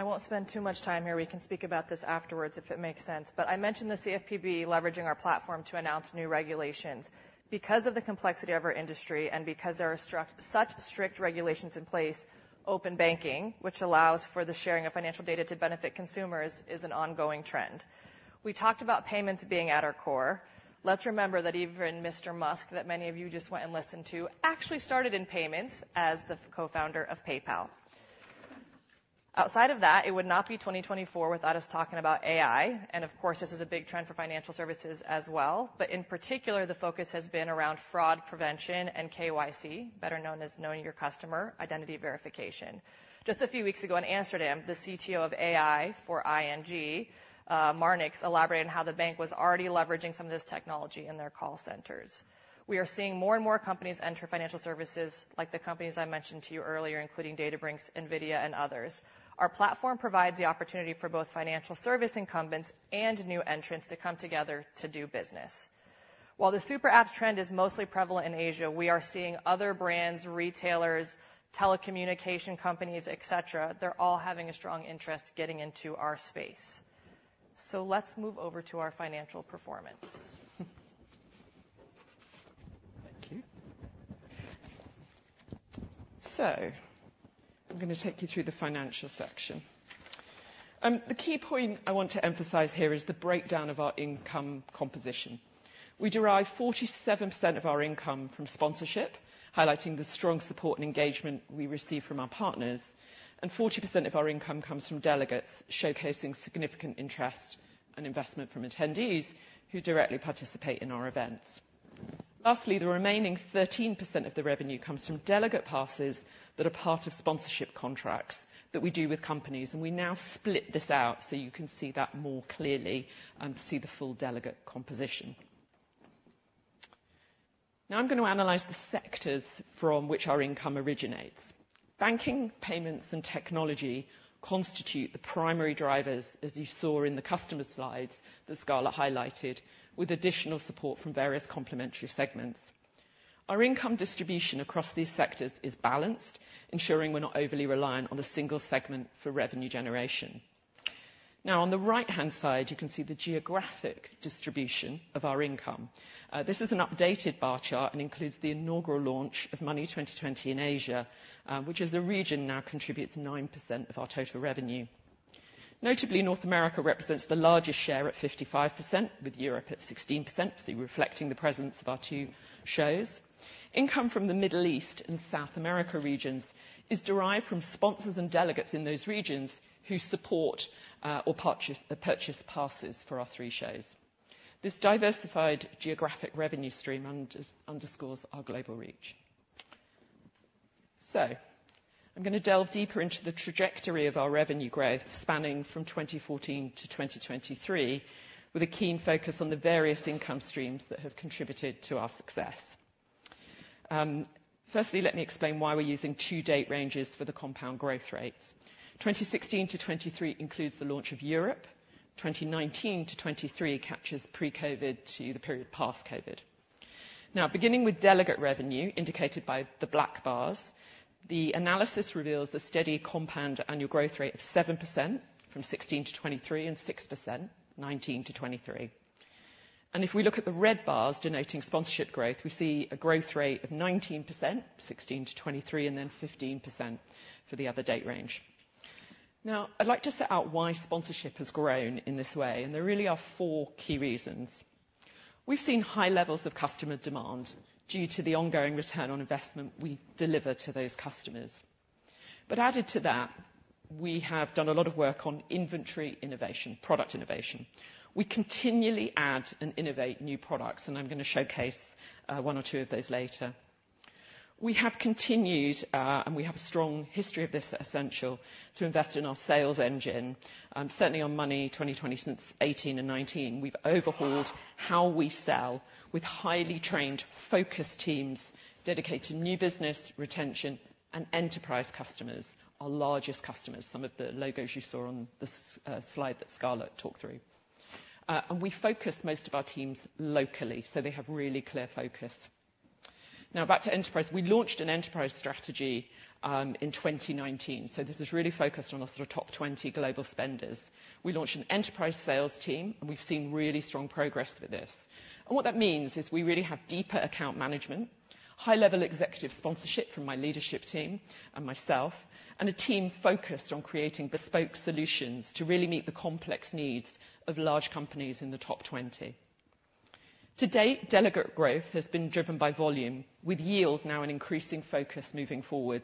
S4: I won't spend too much time here. We can speak about this afterwards if it makes sense. But I mentioned the CFPB leveraging our platform to announce new regulations. Because of the complexity of our industry and because there are such strict regulations in place, open banking, which allows for the sharing of financial data to benefit consumers, is an ongoing trend. We talked about payments being at our core. Let's remember that even Mr. Musk, that many of you just went and listened to, actually started in payments as the co-founder of PayPal. Outside of that, it would not be 2024 without us talking about AI, and of course, this is a big trend for financial services as well. But in particular, the focus has been around fraud prevention and KYC, better known as knowing your customer, identity verification. Just a few weeks ago in Amsterdam, the CTO of AI for ING, Marnix, elaborated on how the bank was already leveraging some of this technology in their call centers. We are seeing more and more companies enter financial services, like the companies I mentioned to you earlier, including Databricks, NVIDIA, and others. Our platform provides the opportunity for both financial service incumbents and new entrants to come together to do business. While the super app trend is mostly prevalent in Asia, we are seeing other brands, retailers, telecommunication companies, et cetera, they're all having a strong interest getting into our space. So let's move over to our financial performance.
S3: Thank you. So I'm gonna take you through the financial section. The key point I want to emphasize here is the breakdown of our income composition. We derive 47% of our income from sponsorship, highlighting the strong support and engagement we receive from our partners, and 40% of our income comes from delegates, showcasing significant interest and investment from attendees who directly participate in our events. Lastly, the remaining 13% of the revenue comes from delegate passes that are part of sponsorship contracts that we do with companies, and we now split this out so you can see that more clearly and see the full delegate composition. Now I'm going to analyze the sectors from which our income originates. Banking, payments, and technology constitute the primary drivers, as you saw in the customer slides that Scarlett highlighted, with additional support from various complementary segments. Our income distribution across these sectors is balanced, ensuring we're not overly reliant on a single segment for revenue generation. Now, on the right-hand side, you can see the geographic distribution of our income. This is an updated bar chart and includes the inaugural launch of Money20/20 in Asia, which as a region now contributes 9% of our total revenue. Notably, North America represents the largest share at 55%, with Europe at 16%, obviously reflecting the presence of our two shows. Income from the Middle East and South America regions is derived from sponsors and delegates in those regions, who support or purchase passes for our three shows. This diversified geographic revenue stream underscores our global reach. So I'm gonna delve deeper into the trajectory of our revenue growth, spanning from 2014 to 2023, with a keen focus on the various income streams that have contributed to our success. Firstly, let me explain why we're using two date ranges for the compound growth rates. 2016 to 2023 includes the launch of Europe. 2019 to 2023 captures pre-COVID to the period past COVID. Now, beginning with delegate revenue, indicated by the black bars, the analysis reveals a steady compound annual growth rate of 7% from 2016 to 2023, and 6%, 2019 to 2023. And if we look at the red bars denoting sponsorship growth, we see a growth rate of 19%, 2016 to 2023, and then 15% for the other date range. Now, I'd like to set out why sponsorship has grown in this way, and there really are four key reasons. We've seen high levels of customer demand due to the ongoing return on investment we deliver to those customers. But added to that, we have done a lot of work on inventory innovation, product innovation. We continually add and innovate new products, and I'm gonna showcase one or two of those later. We have continued, and we have a strong history of this at Ascential, to invest in our sales engine, certainly on Money20/20 since 2018 and 2019. We've overhauled how we sell with highly trained, focused teams dedicated to new business, retention, and enterprise customers, our largest customers, some of the logos you saw on the slide that Scarlett talked through. We focus most of our teams locally, so they have really clear focus. Now, back to enterprise. We launched an enterprise strategy in 2019, so this is really focused on our sort of top 20 global spenders. We launched an enterprise sales team, and we've seen really strong progress with this. And what that means is we really have deeper account management, high-level executive sponsorship from my leadership team and myself, and a team focused on creating bespoke solutions to really meet the complex needs of large companies in the top 20. To date, delegate growth has been driven by volume, with yield now an increasing focus moving forward.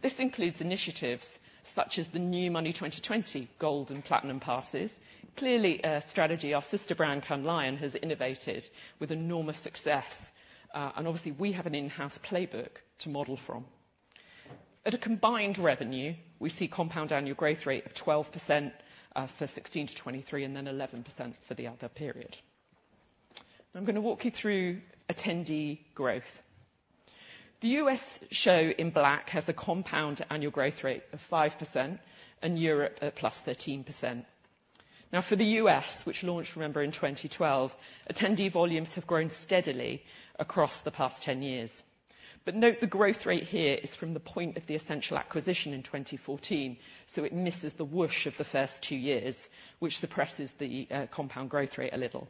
S3: This includes initiatives such as the new Money20/20 Gold and Platinum passes. Clearly, a strategy our sister brand, Cannes Lions, has innovated with enormous success. Obviously, we have an in-house playbook to model from. At a combined revenue, we see compound annual growth rate of 12%, for 2016-2023, and then 11% for the other period. I'm gonna walk you through attendee growth. The U.S. show, in black, has a compound annual growth rate of 5%, and Europe at +13%. Now, for the U.S., which launched, remember, in 2012, attendee volumes have grown steadily across the past 10 years. But note the growth rate here is from the point of the Ascential acquisition in 2014, so it misses the whoosh of the first two years, which suppresses the compound growth rate a little.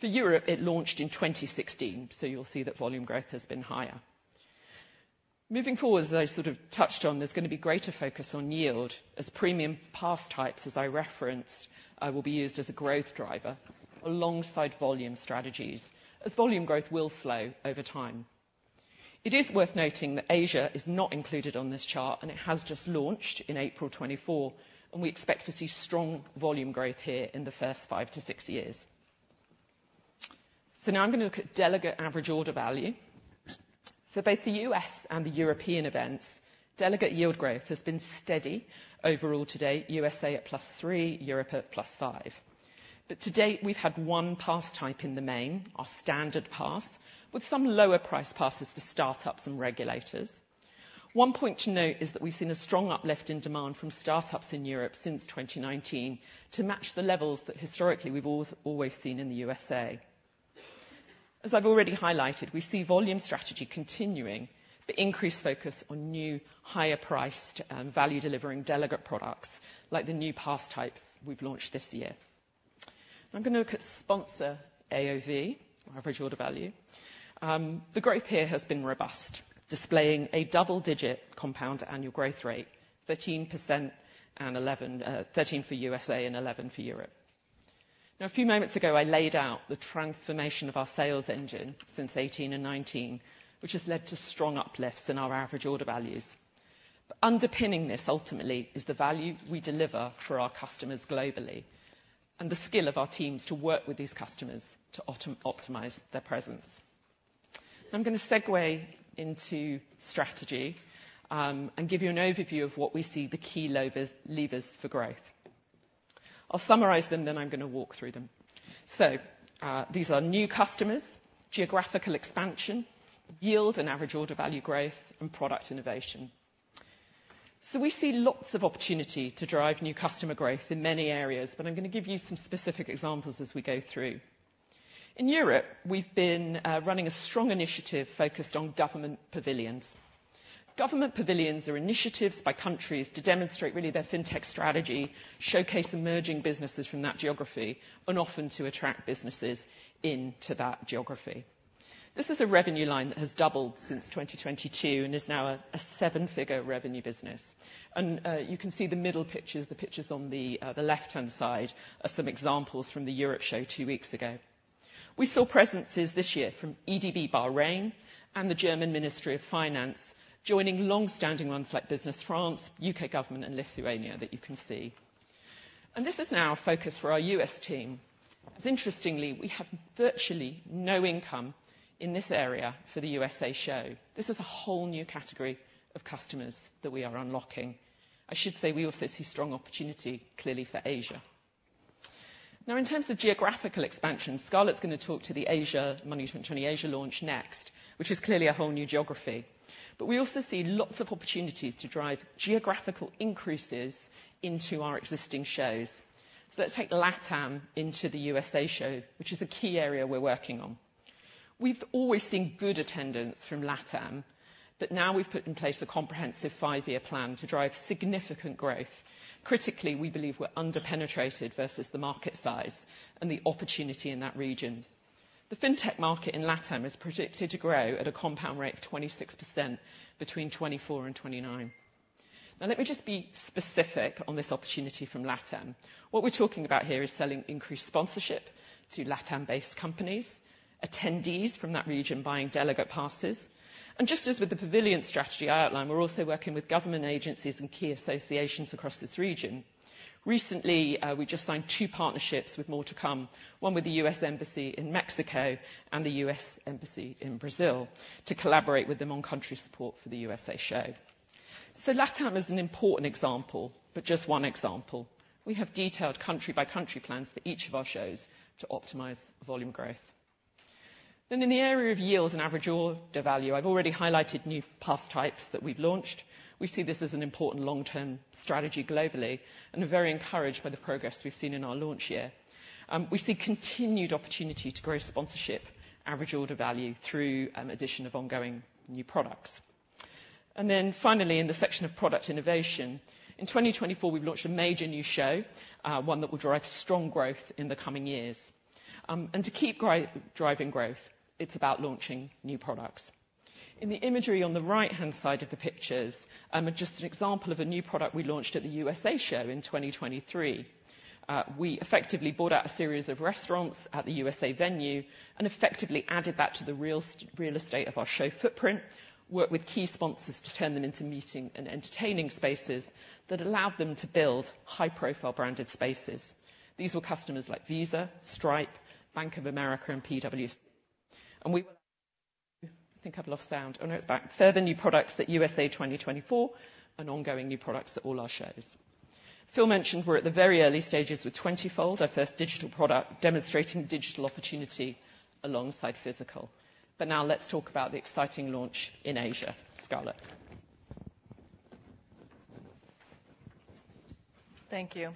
S3: For Europe, it launched in 2016, so you'll see that volume growth has been higher. Moving forward, as I sort of touched on, there's gonna be greater focus on yield, as premium pass types, as I referenced, will be used as a growth driver alongside volume strategies, as volume growth will slow over time. It is worth noting that Asia is not included on this chart, and it has just launched in April 2024, and we expect to see strong volume growth here in the first 5-6 years. So now I'm gonna look at delegate average order value. So both the U.S. and the European events, delegate yield growth has been steady overall to date, U.S. at +3, Europe at +5. But to date, we've had one pass type in the main, our Standard Pass, with some lower price passes for startups and regulators. One point to note is that we've seen a strong uplift in demand from startups in Europe since 2019 to match the levels that historically we've always, always seen in the USA. As I've already highlighted, we see volume strategy continuing the increased focus on new, higher priced, value-delivering delegate products, like the new pass types we've launched this year. I'm gonna look at sponsor AOV, our average order value. The growth here has been robust, displaying a double-digit compound annual growth rate, 13% and 11%, 13% for USA and 11% for Europe. Now, a few moments ago, I laid out the transformation of our sales engine since 2018 and 2019, which has led to strong uplifts in our average order values. Underpinning this ultimately is the value we deliver for our customers globally, and the skill of our teams to work with these customers to optimize their presence. I'm gonna segue into strategy, and give you an overview of what we see the key levers for growth. I'll summarize them, then I'm gonna walk through them. So these are new customers, geographical expansion, yield and average order value growth, and product innovation. So we see lots of opportunity to drive new customer growth in many areas, but I'm gonna give you some specific examples as we go through. In Europe, we've been running a strong initiative focused on government pavilions. Government pavilions are initiatives by countries to demonstrate really their fintech strategy, showcase emerging businesses from that geography, and often to attract businesses into that geography. This is a revenue line that has doubled since 2022 and is now a, a seven-figure revenue business. And, you can see the middle pictures, the pictures on the, the left-hand side, are some examples from the Europe show two weeks ago. We saw presences this year from Bahrain EDB, and the German Ministry of Finance, joining long-standing ones like Business France, U.K. Government, and Lithuania, that you can see. And this is now a focus for our U.S. team, as interestingly, we have virtually no income in this area for the USA show. This is a whole new category of customers that we are unlocking. I should say, we also see strong opportunity, clearly, for Asia. Now, in terms of geographical expansion, Scarlett's gonna talk to the Asia, Money20/20 Asia launch next, which is clearly a whole new geography. But we also see lots of opportunities to drive geographical increases into our existing shows. So let's take LATAM into the USA show, which is a key area we're working on. We've always seen good attendance from LATAM, but now we've put in place a comprehensive five-year plan to drive significant growth. Critically, we believe we're under-penetrated versus the market size and the opportunity in that region. The fintech market in LATAM is predicted to grow at a compound rate of 26% between 2024 and 2029. Now, let me just be specific on this opportunity from LATAM. What we're talking about here is selling increased sponsorship to LATAM-based companies, attendees from that region buying delegate passes, and just as with the pavilion strategy I outlined, we're also working with government agencies and key associations across this region. Recently, we just signed two partnerships with more to come, one with the U.S. Embassy in Mexico and the U.S. Embassy in Brazil, to collaborate with them on country support for the USA show. So LATAM is an important example, but just one example. We have detailed country-by-country plans for each of our shows to optimize volume growth. Then in the area of yield and average order value, I've already highlighted new pass types that we've launched. We see this as an important long-term strategy globally, and are very encouraged by the progress we've seen in our launch year. We see continued opportunity to grow sponsorship, average order value through addition of ongoing new products. And then finally, in the section of product innovation, in 2024, we've launched a major new show, one that will drive strong growth in the coming years. And to keep driving growth, it's about launching new products. In the imagery on the right-hand side of the pictures are just an example of a new product we launched at the USA show in 2023. We effectively bought out a series of restaurants at the USA venue and effectively added that to the real estate of our show footprint, worked with key sponsors to turn them into meeting and entertaining spaces that allowed them to build high-profile branded spaces. These were customers like Visa, Stripe, Bank of America, and PwC. And we... I think I've lost sound. Oh, no, it's back. Further new products at USA 2024 and ongoing new products at all our shows. Phil mentioned we're at the very early stages with TwentyFold, our first digital product, demonstrating digital opportunity alongside physical. Now let's talk about the exciting launch in Asia. Scarlett?
S4: Thank you.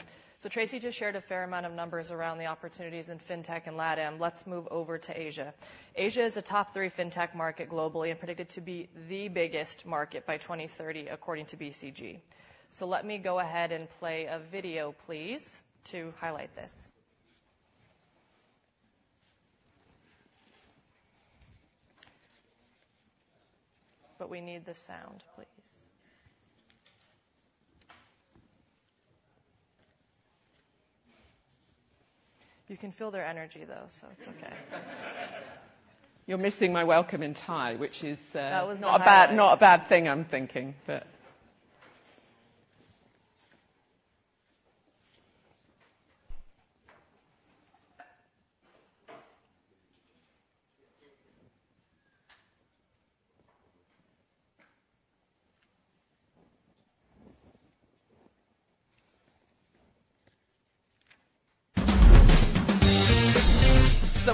S4: So Tracey just shared a fair amount of numbers around the opportunities in fintech and LATAM. Let's move over to Asia. Asia is a top three fintech market globally and predicted to be the biggest market by 2030, according to BCG. So let me go ahead and play a video, please, to highlight this. But we need the sound, please. You can feel their energy, though, so it's okay.
S3: You're missing my welcome in Thai, which is,
S4: That was not wrong.
S3: A bad, not a bad thing, I'm thinking, but...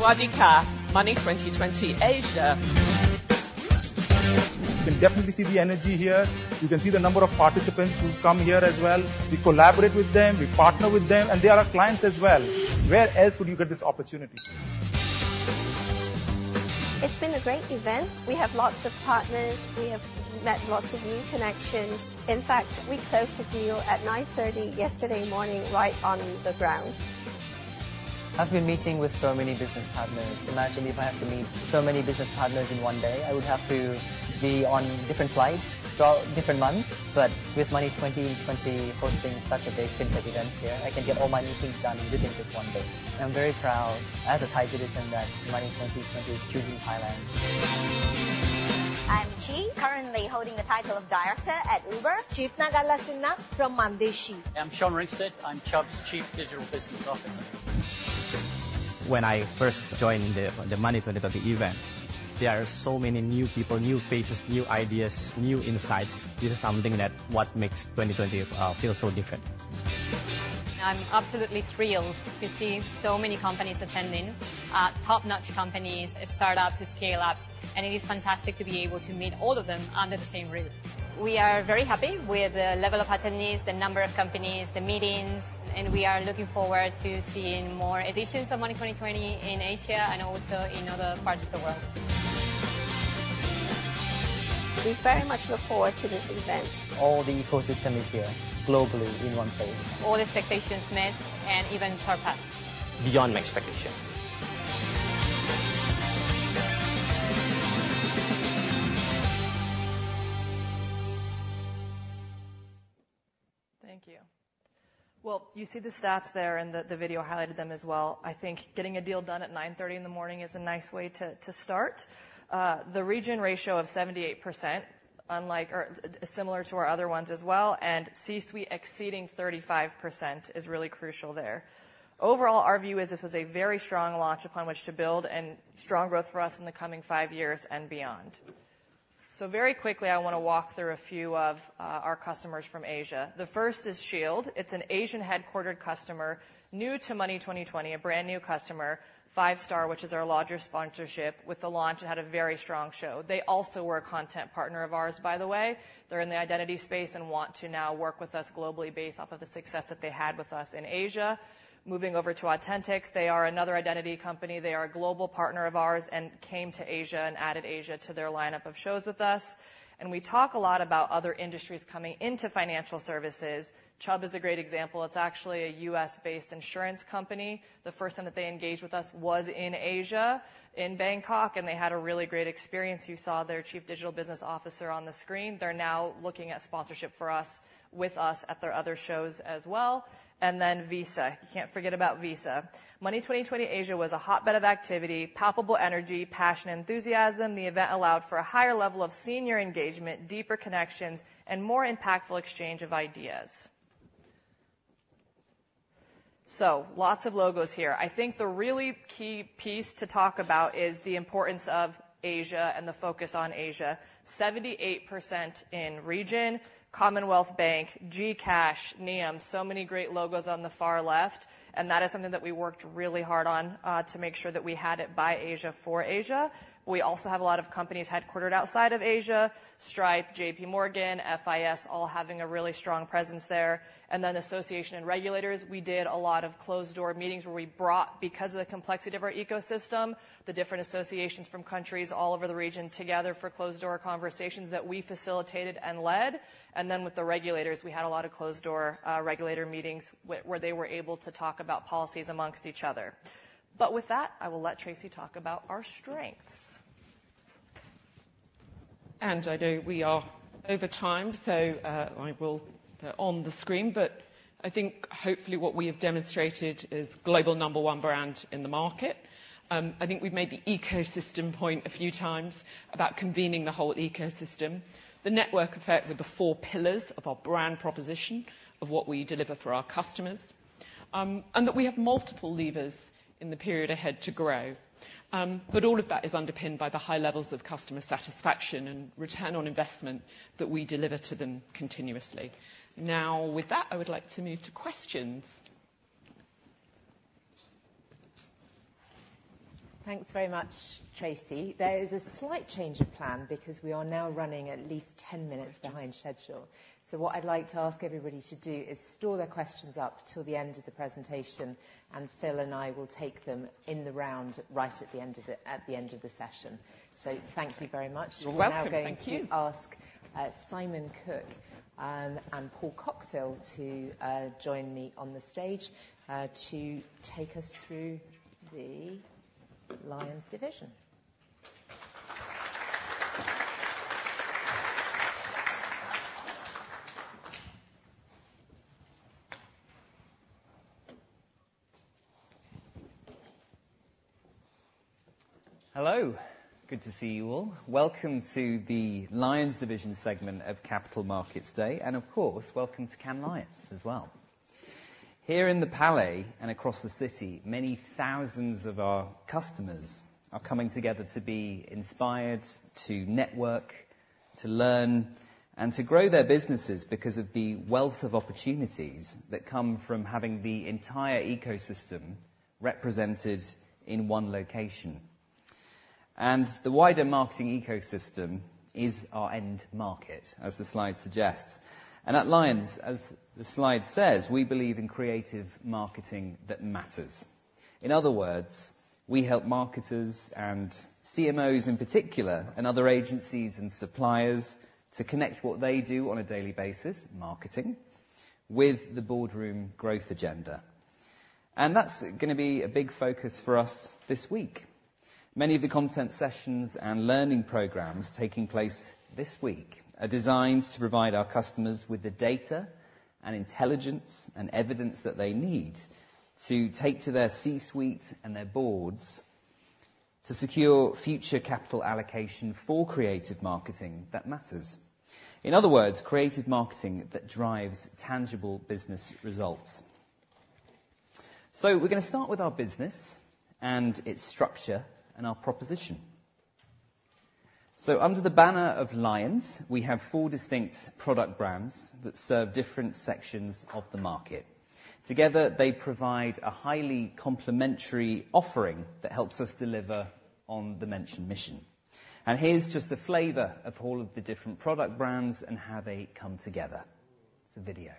S3: Sawadee ka, Money20/20 Asia!...
S5: You can definitely see the energy here. You can see the number of participants who've come here as well. We collaborate with them, we partner with them, and they are our clients as well. Where else would you get this opportunity?
S6: It's been a great event. We have lots of partners. We have met lots of new connections. In fact, we closed a deal at 9:30 A.M. yesterday morning, right on the ground.
S7: I've been meeting with so many business partners. Imagine if I have to meet so many business partners in one day, I would have to be on different flights throughout different months. But with Money20/20 hosting such a big, connectivity event here, I can get all my new things done within just one day. I'm very proud, as a Thai citizen, that Money20/20 is choosing Thailand.
S8: I'm [Qi], currently holding the title of director at Uber.
S9: [Chutima Galyasiri]? from Mandici.
S10: I'm Sean Ringsted. I'm Chubb's Chief Digital Business Officer.
S11: When I first joined the Money20/20 event, there are so many new people, new faces, new ideas, new insights. This is something that what makes Money20/20 feel so different.
S12: I'm absolutely thrilled to see so many companies attending, top-notch companies, startups, scale-ups, and it is fantastic to be able to meet all of them under the same roof.
S13: We are very happy with the level of attendees, the number of companies, the meetings, and we are looking forward to seeing more editions of Money20/20 in Asia and also in other parts of the world.
S14: We very much look forward to this event.
S15: All the ecosystem is here globally in one place.
S16: All expectations met and even surpassed.
S17: Beyond my expectation.
S4: Thank you. Well, you see the stats there, and the video highlighted them as well. I think getting a deal done at 9:30 A.M. is a nice way to start. The retention ratio of 78%, unlike or similar to our other ones as well, and C-suite exceeding 35% is really crucial there. Overall, our view is this was a very strong launch upon which to build and strong growth for us in the coming five years and beyond. Very quickly, I want to walk through a few of our customers from Asia. The first is SHIELD. It's an Asian-headquartered customer, new to Money20/20, a brand-new customer. Five-star, which is our larger sponsorship with the launch, it had a very strong show. They also were a content partner of ours, by the way. They're in the identity space and want to now work with us globally based off of the success that they had with us in Asia. Moving over to Au10tix, they are another identity company. They are a global partner of ours and came to Asia and added Asia to their lineup of shows with us. We talk a lot about other industries coming into financial services. Chubb is a great example. It's actually a U.S.-based insurance company. The first time that they engaged with us was in Asia, in Bangkok, and they had a really great experience. You saw their chief digital business officer on the screen. They're now looking at sponsorship for us, with us at their other shows as well. Then Visa. You can't forget about Visa. Money20/20 Asia was a hotbed of activity, palpable energy, passion, enthusiasm. The event allowed for a higher level of senior engagement, deeper connections, and more impactful exchange of ideas. So lots of logos here. I think the really key piece to talk about is the importance of Asia and the focus on Asia. 78% in region, Commonwealth Bank, GCash, Nium, so many great logos on the far left, and that is something that we worked really hard on to make sure that we had it by Asia, for Asia. We also have a lot of companies headquartered outside of Asia, Stripe, JPMorgan, FIS, all having a really strong presence there. And then association and regulators, we did a lot of closed-door meetings where we brought, because of the complexity of our ecosystem, the different associations from countries all over the region together for closed-door conversations that we facilitated and led. And then with the regulators, we had a lot of closed-door regulator meetings where they were able to talk about policies among each other. But with that, I will let Tracey talk about our strengths.
S3: I know we are over time, so, I will... On the screen, but I think hopefully what we have demonstrated is global number one brand in the market. I think we've made the ecosystem point a few times about convening the whole ecosystem, the network effect with the four pillars of our brand proposition, of what we deliver for our customers, and that we have multiple levers in the period ahead to grow. But all of that is underpinned by the high levels of customer satisfaction and return on investment that we deliver to them continuously. Now, with that, I would like to move to questions.
S1: Thanks very much, Tracey. There is a slight change of plan because we are now running at least 10 minutes behind schedule. So what I'd like to ask everybody to do is store their questions up till the end of the presentation, and Phil and I will take them in the round right at the end of it, at the end of the session. So thank you very much.
S3: You're welcome. Thank you.
S1: We're now going to ask Simon Cook and Paul Coxhill to join me on the stage to take us through the Lions division.
S18: Hello. Good to see you all. Welcome to the Lions Division segment of Capital Markets Day, and of course, welcome to Cannes Lions as well. Here in the Palais and across the city, many thousands of our customers are coming together to be inspired, to network, to learn, and to grow their businesses because of the wealth of opportunities that come from having the entire ecosystem represented in one location. And the wider marketing ecosystem is our end market, as the slide suggests. And at Lions, as the slide says, we believe in creative marketing that matters. In other words, we help marketers and CMOs in particular, and other agencies and suppliers, to connect what they do on a daily basis, marketing, with the boardroom growth agenda. And that's gonna be a big focus for us this week. Many of the content sessions and learning programs taking place this week are designed to provide our customers with the data, intelligence, and evidence that they need to take to their C-suite and their boards to secure future capital allocation for creative marketing that matters. In other words, creative marketing that drives tangible business results. So we're gonna start with our business, and its structure, and our proposition. So under the banner of Lions, we have four distinct product brands that serve different sections of the market. Together, they provide a highly complementary offering that helps us deliver on the mentioned mission. And here's just a flavor of all of the different product brands and how they come together. It's a video.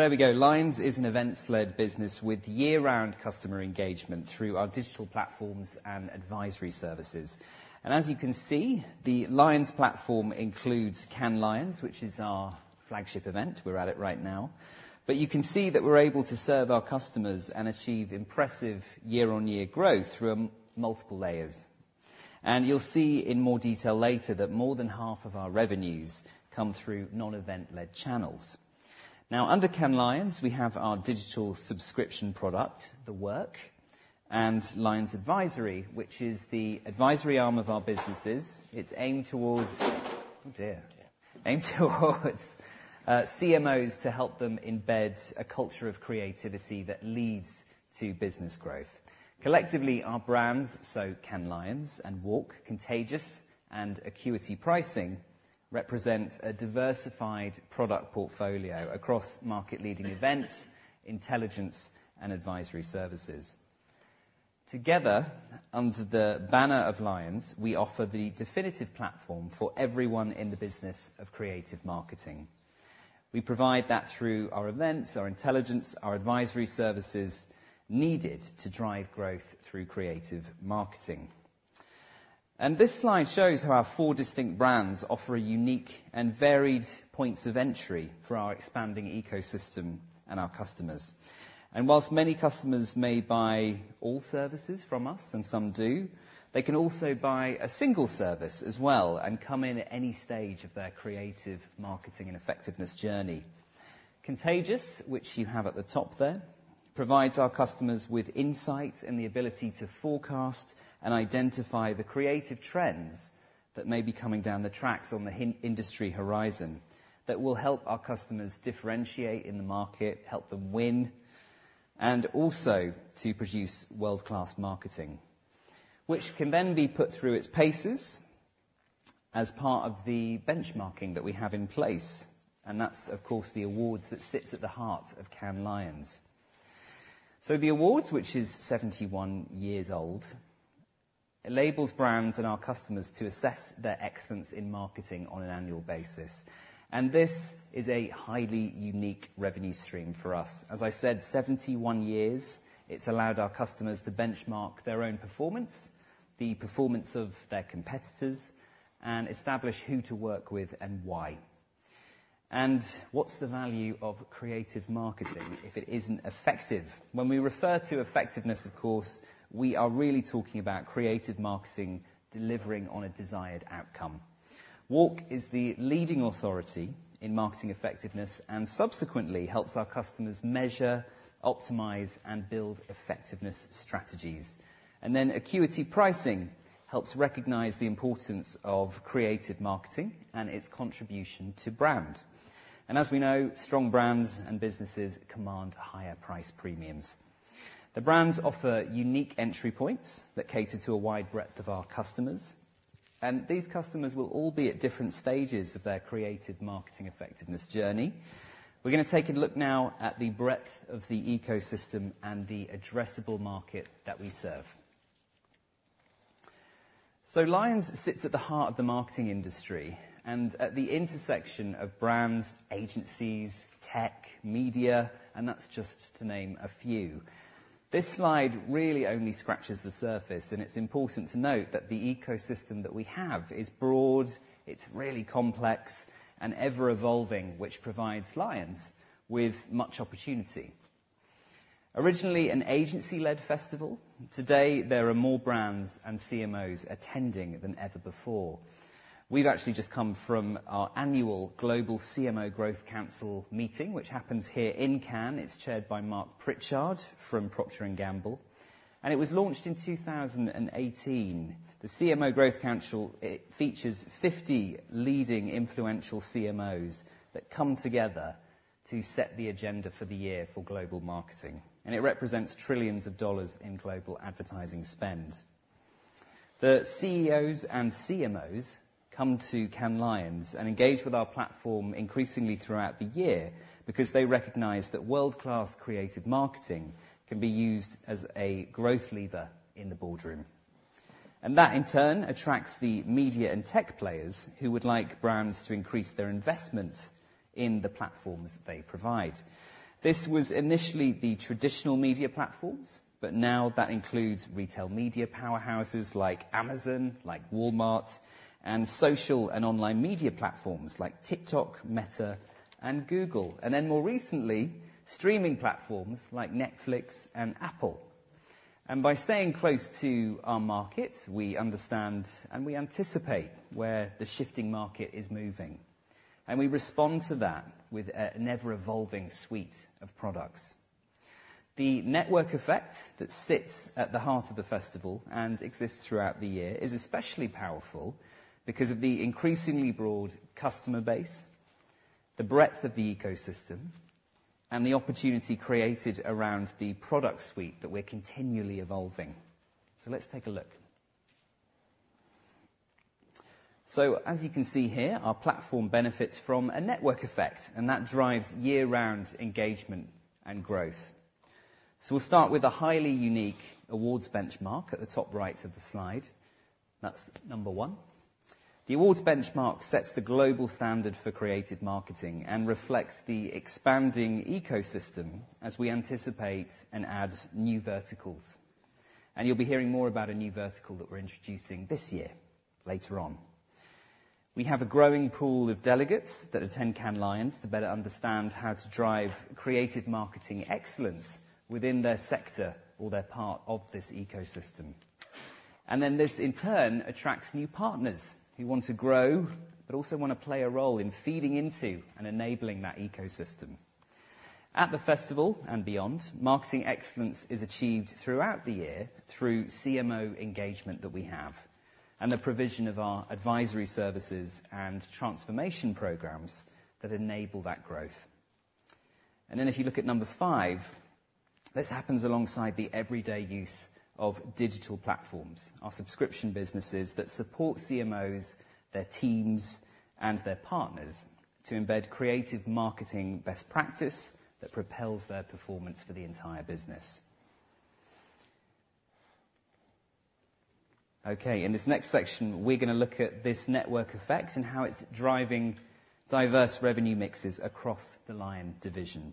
S18: So there we go. Lions is an events-led business with year-round customer engagement through our digital platforms and advisory services. As you can see, the Lions platform includes Cannes Lions, which is our flagship event. We're at it right now. But you can see that we're able to serve our customers and achieve impressive year-on-year growth through multiple layers. And you'll see in more detail later that more than half of our revenues come through non-event-led channels. Now, under Cannes Lions, we have our digital subscription product, The Work, and Lions Advisory, which is the advisory arm of our businesses. It's aimed towards CMOs to help them embed a culture of creativity that leads to business growth. Collectively, our brands, so Cannes Lions, and WARC, Contagious, and Acuity Pricing, represent a diversified product portfolio across market-leading events, intelligence, and advisory services. Together, under the banner of Lions, we offer the definitive platform for everyone in the business of creative marketing. We provide that through our events, our intelligence, our advisory services needed to drive growth through creative marketing. This slide shows how our four distinct brands offer a unique and varied points of entry for our expanding ecosystem and our customers. While many customers may buy all services from us, and some do, they can also buy a single service as well and come in at any stage of their creative marketing and effectiveness journey. Contagious, which you have at the top there, provides our customers with insight and the ability to forecast and identify the creative trends that may be coming down the tracks on the industry horizon, that will help our customers differentiate in the market, help them win, and also to produce world-class marketing, which can then be put through its paces as part of the benchmarking that we have in place. And that's, of course, the awards that sits at the heart of Cannes Lions. So the awards, which is 71 years old, enables brands and our customers to assess their excellence in marketing on an annual basis. And this is a highly unique revenue stream for us. As I said, 71 years, it's allowed our customers to benchmark their own performance, the performance of their competitors, and establish who to work with and why. And what's the value of creative marketing if it isn't effective? When we refer to effectiveness, of course, we are really talking about creative marketing delivering on a desired outcome. WARC is the leading authority in marketing effectiveness, and subsequently helps our customers measure, optimize, and build effectiveness strategies. And then Acuity Pricing helps recognize the importance of creative marketing and its contribution to brand. As we know, strong brands and businesses command higher price premiums. The brands offer unique entry points that cater to a wide breadth of our customers, and these customers will all be at different stages of their creative marketing effectiveness journey. We're gonna take a look now at the breadth of the ecosystem and the addressable market that we serve. Lions sits at the heart of the marketing industry, and at the intersection of brands, agencies, tech, media, and that's just to name a few. This slide really only scratches the surface, and it's important to note that the ecosystem that we have is broad, it's really complex, and ever-evolving, which provides Lions with much opportunity. Originally an agency-led festival, today, there are more brands and CMOs attending than ever before. We've actually just come from our annual global CMO Growth Council meeting, which happens here in Cannes. It's chaired by Marc Pritchard from Procter & Gamble, and it was launched in 2018. The CMO Growth Council, it features 50 leading influential CMOs that come together to set the agenda for the year for global marketing, and it represents $ trillions in global advertising spend. The CEOs and CMOs come to Cannes Lions and engage with our platform increasingly throughout the year because they recognize that world-class creative marketing can be used as a growth lever in the boardroom. And that, in turn, attracts the media and tech players who would like brands to increase their investment in the platforms that they provide. This was initially the traditional media platforms, but now that includes retail media powerhouses like Amazon, like Walmart, and social and online media platforms like TikTok, Meta, and Google, and then more recently, streaming platforms like Netflix and Apple. By staying close to our markets, we understand and we anticipate where the shifting market is moving, and we respond to that with an ever-evolving suite of products. The network effect that sits at the heart of the festival and exists throughout the year is especially powerful because of the increasingly broad customer base, the breadth of the ecosystem, and the opportunity created around the product suite that we're continually evolving. Let's take a look. As you can see here, our platform benefits from a network effect, and that drives year-round engagement and growth. We'll start with a highly unique awards benchmark at the top right of the slide. That's number one. The awards benchmark sets the global standard for creative marketing and reflects the expanding ecosystem as we anticipate and add new verticals. You'll be hearing more about a new vertical that we're introducing this year later on. We have a growing pool of delegates that attend Cannes Lions to better understand how to drive creative marketing excellence within their sector or their part of this ecosystem. And then this, in turn, attracts new partners who want to grow, but also wanna play a role in feeding into and enabling that ecosystem. At the festival and beyond, marketing excellence is achieved throughout the year through CMO engagement that we have, and the provision of our advisory services and transformation programs that enable that growth. And then, if you look at number five, this happens alongside the everyday use of digital platforms, our subscription businesses that support CMOs, their teams, and their partners to embed creative marketing best practice that propels their performance for the entire business. Okay, in this next section, we're gonna look at this network effect and how it's driving diverse revenue mixes across the Lions division.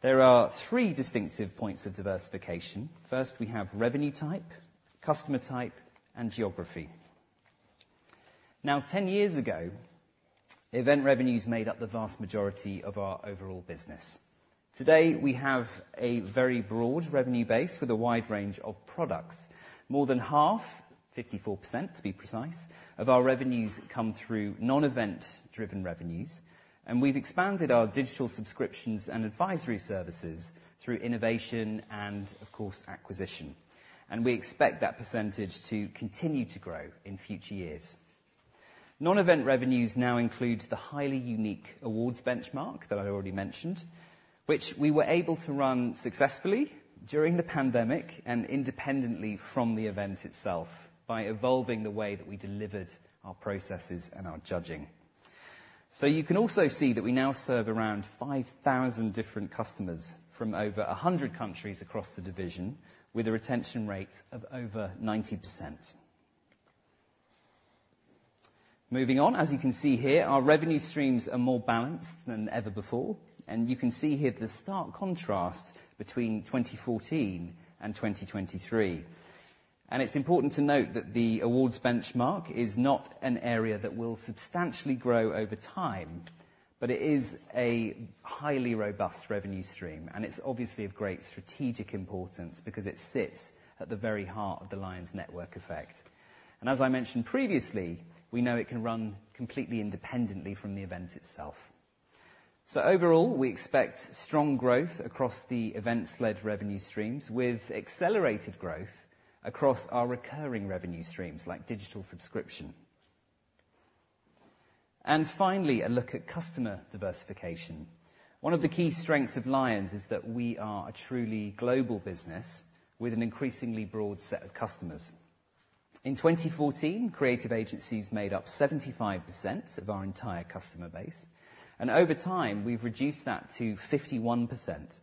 S18: There are three distinctive points of diversification. First, we have revenue type, customer type, and geography. Now, 10 years ago, event revenues made up the vast majority of our overall business. Today, we have a very broad revenue base with a wide range of products. More than half, 54%, to be precise, of our revenues come through non-event driven revenues, and we've expanded our digital subscriptions and advisory services through innovation and, of course, acquisition, and we expect that percentage to continue to grow in future years. Non-event revenues now include the highly unique awards benchmark that I already mentioned, which we were able to run successfully during the pandemic and independently from the event itself by evolving the way that we delivered our processes and our judging. So you can also see that we now serve around 5,000 different customers from over 100 countries across the division, with a retention rate of over 90%. Moving on, as you can see here, our revenue streams are more balanced than ever before, and you can see here the stark contrast between 2014 and 2023. And it's important to note that the awards benchmark is not an area that will substantially grow over time, but it is a highly robust revenue stream, and it's obviously of great strategic importance because it sits at the very heart of the Lions network effect. As I mentioned previously, we know it can run completely independently from the event itself. So overall, we expect strong growth across the events-led revenue streams, with accelerated growth across our recurring revenue streams, like digital subscription. And finally, a look at customer diversification. One of the key strengths of Lions is that we are a truly global business with an increasingly broad set of customers. In 2014, creative agencies made up 75% of our entire customer base, and over time, we've reduced that to 51%.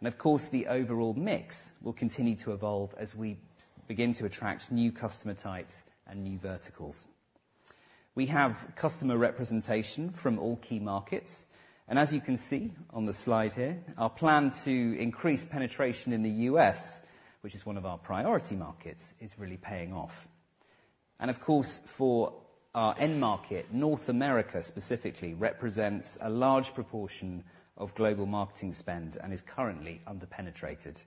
S18: And of course, the overall mix will continue to evolve as we begin to attract new customer types and new verticals. We have customer representation from all key markets, and as you can see on the slide here, our plan to increase penetration in the U.S., which is one of our priority markets, is really paying off. Of course, for our end market, North America specifically represents a large proportion of global marketing spend and is currently under-penetrated.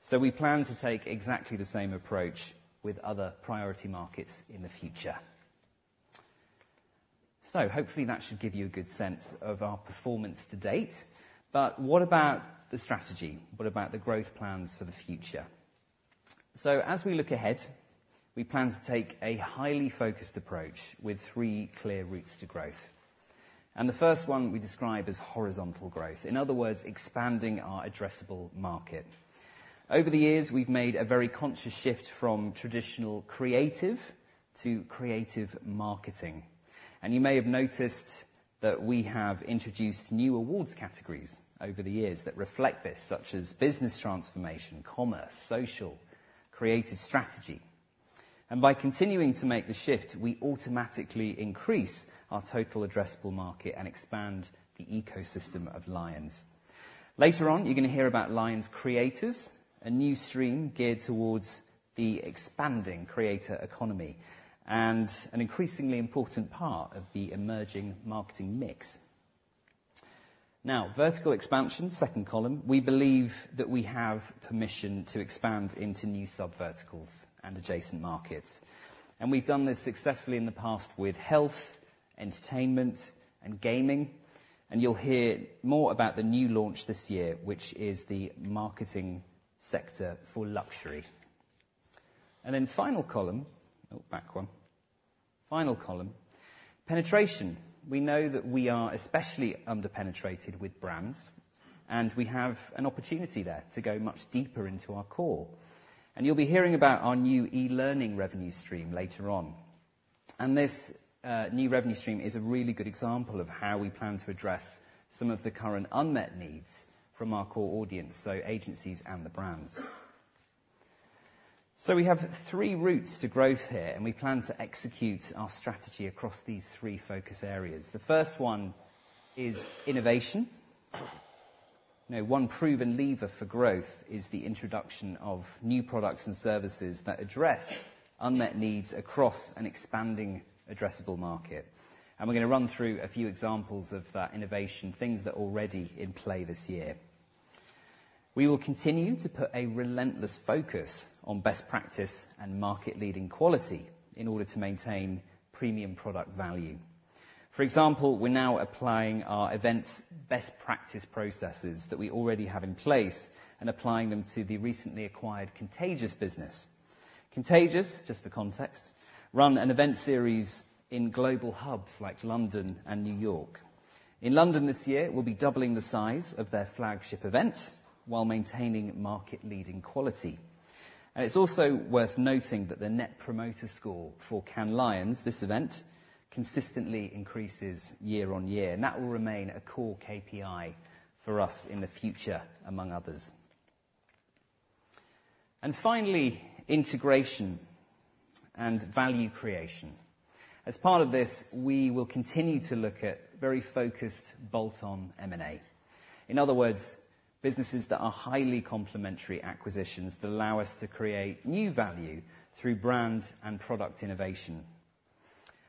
S18: So we plan to take exactly the same approach with other priority markets in the future. So hopefully that should give you a good sense of our performance to date. But what about the strategy? What about the growth plans for the future? So as we look ahead, we plan to take a highly focused approach with three clear routes to growth. And the first one we describe is horizontal growth, in other words, expanding our addressable market. Over the years, we've made a very conscious shift from traditional creative to creative marketing, and you may have noticed that we have introduced new awards categories over the years that reflect this, such as business transformation, commerce, social, creative strategy. By continuing to make the shift, we automatically increase our total addressable market and expand the ecosystem of Lions. Later on, you're gonna hear about Lions Creators, a new stream geared towards the expanding creator economy and an increasingly important part of the emerging marketing mix. Now, vertical expansion, second column. We believe that we have permission to expand into new sub verticals and adjacent markets, and we've done this successfully in the past with health, entertainment, and gaming. You'll hear more about the new launch this year, which is the marketing sector for luxury. Then final column. Oh, back one. Final column, penetration. We know that we are especially under-penetrated with brands, and we have an opportunity there to go much deeper into our core. And you'll be hearing about our new e-learning revenue stream later on. And this, new revenue stream is a really good example of how we plan to address some of the current unmet needs from our core audience, so agencies and the brands. So we have three routes to growth here, and we plan to execute our strategy across these three focus areas. The first one is innovation. You know, one proven lever for growth is the introduction of new products and services that address unmet needs across an expanding addressable market. And we're gonna run through a few examples of that innovation, things that are already in play this year. We will continue to put a relentless focus on best practice and market-leading quality in order to maintain premium product value. For example, we're now applying our events best practice processes that we already have in place and applying them to the recently acquired Contagious business. Contagious, just for context, run an event series in global hubs like London and New York. In London this year, we'll be doubling the size of their flagship event while maintaining market-leading quality. And it's also worth noting that the Net Promoter Score for Cannes Lions, this event, consistently increases year-over-year, and that will remain a core KPI for us in the future, among others. And finally, integration and value creation. As part of this, we will continue to look at very focused bolt-on M&A. In other words, businesses that are highly complementary acquisitions that allow us to create new value through brand and product innovation.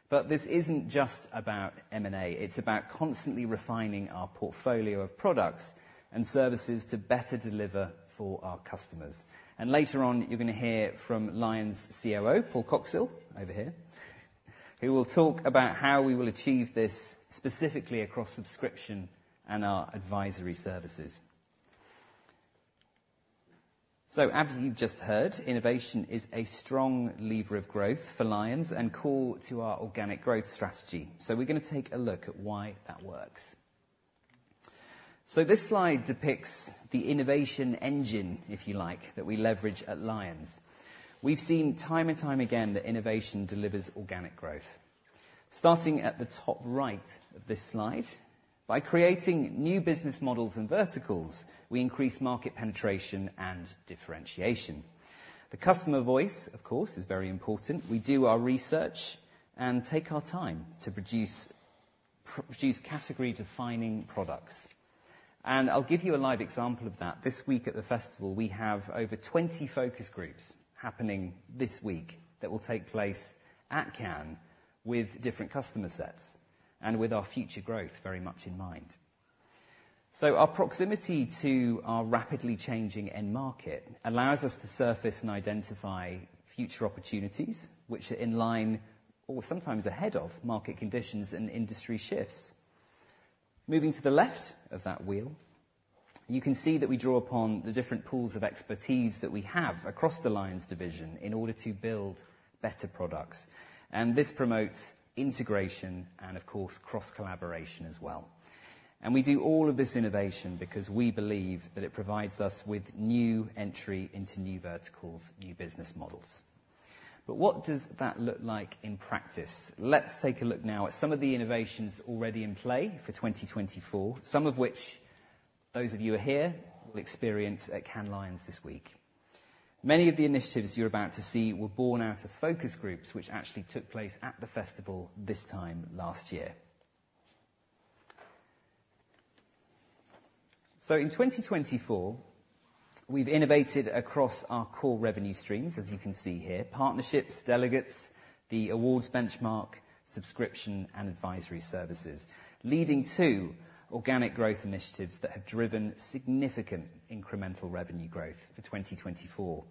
S18: But this isn't just about M&A. It's about constantly refining our portfolio of products and services to better deliver for our customers. And later on, you're gonna hear from Lions' COO, Paul Coxhill, over here, who will talk about how we will achieve this specifically across subscription and our advisory services. So as you've just heard, innovation is a strong lever of growth for Lions and core to our organic growth strategy, so we're gonna take a look at why that works. So this slide depicts the innovation engine, if you like, that we leverage at Lions. We've seen time and time again that innovation delivers organic growth. Starting at the top right of this slide, by creating new business models and verticals, we increase market penetration and differentiation. The customer voice, of course, is very important. We do our research and take our time to produce category-defining products. And I'll give you a live example of that. This week at the festival, we have over 20 focus groups happening this week that will take place at Cannes with different customer sets and with our future growth very much in mind. So our proximity to our rapidly changing end market allows us to surface and identify future opportunities, which are in line or sometimes ahead of market conditions and industry shifts. Moving to the left of that wheel, you can see that we draw upon the different pools of expertise that we have across the Lions division in order to build better products, and this promotes integration and, of course, cross-collaboration as well. We do all of this innovation because we believe that it provides us with new entry into new verticals, new business models. But what does that look like in practice? Let's take a look now at some of the innovations already in play for 2024, some of which those of you who are here will experience at Cannes Lions this week. Many of the initiatives you're about to see were born out of focus groups, which actually took place at the festival this time last year. In 2024, we've innovated across our core revenue streams, as you can see here: partnerships, delegates, the awards benchmark, subscription, and advisory services, leading to organic growth initiatives that have driven significant incremental revenue growth in 2024.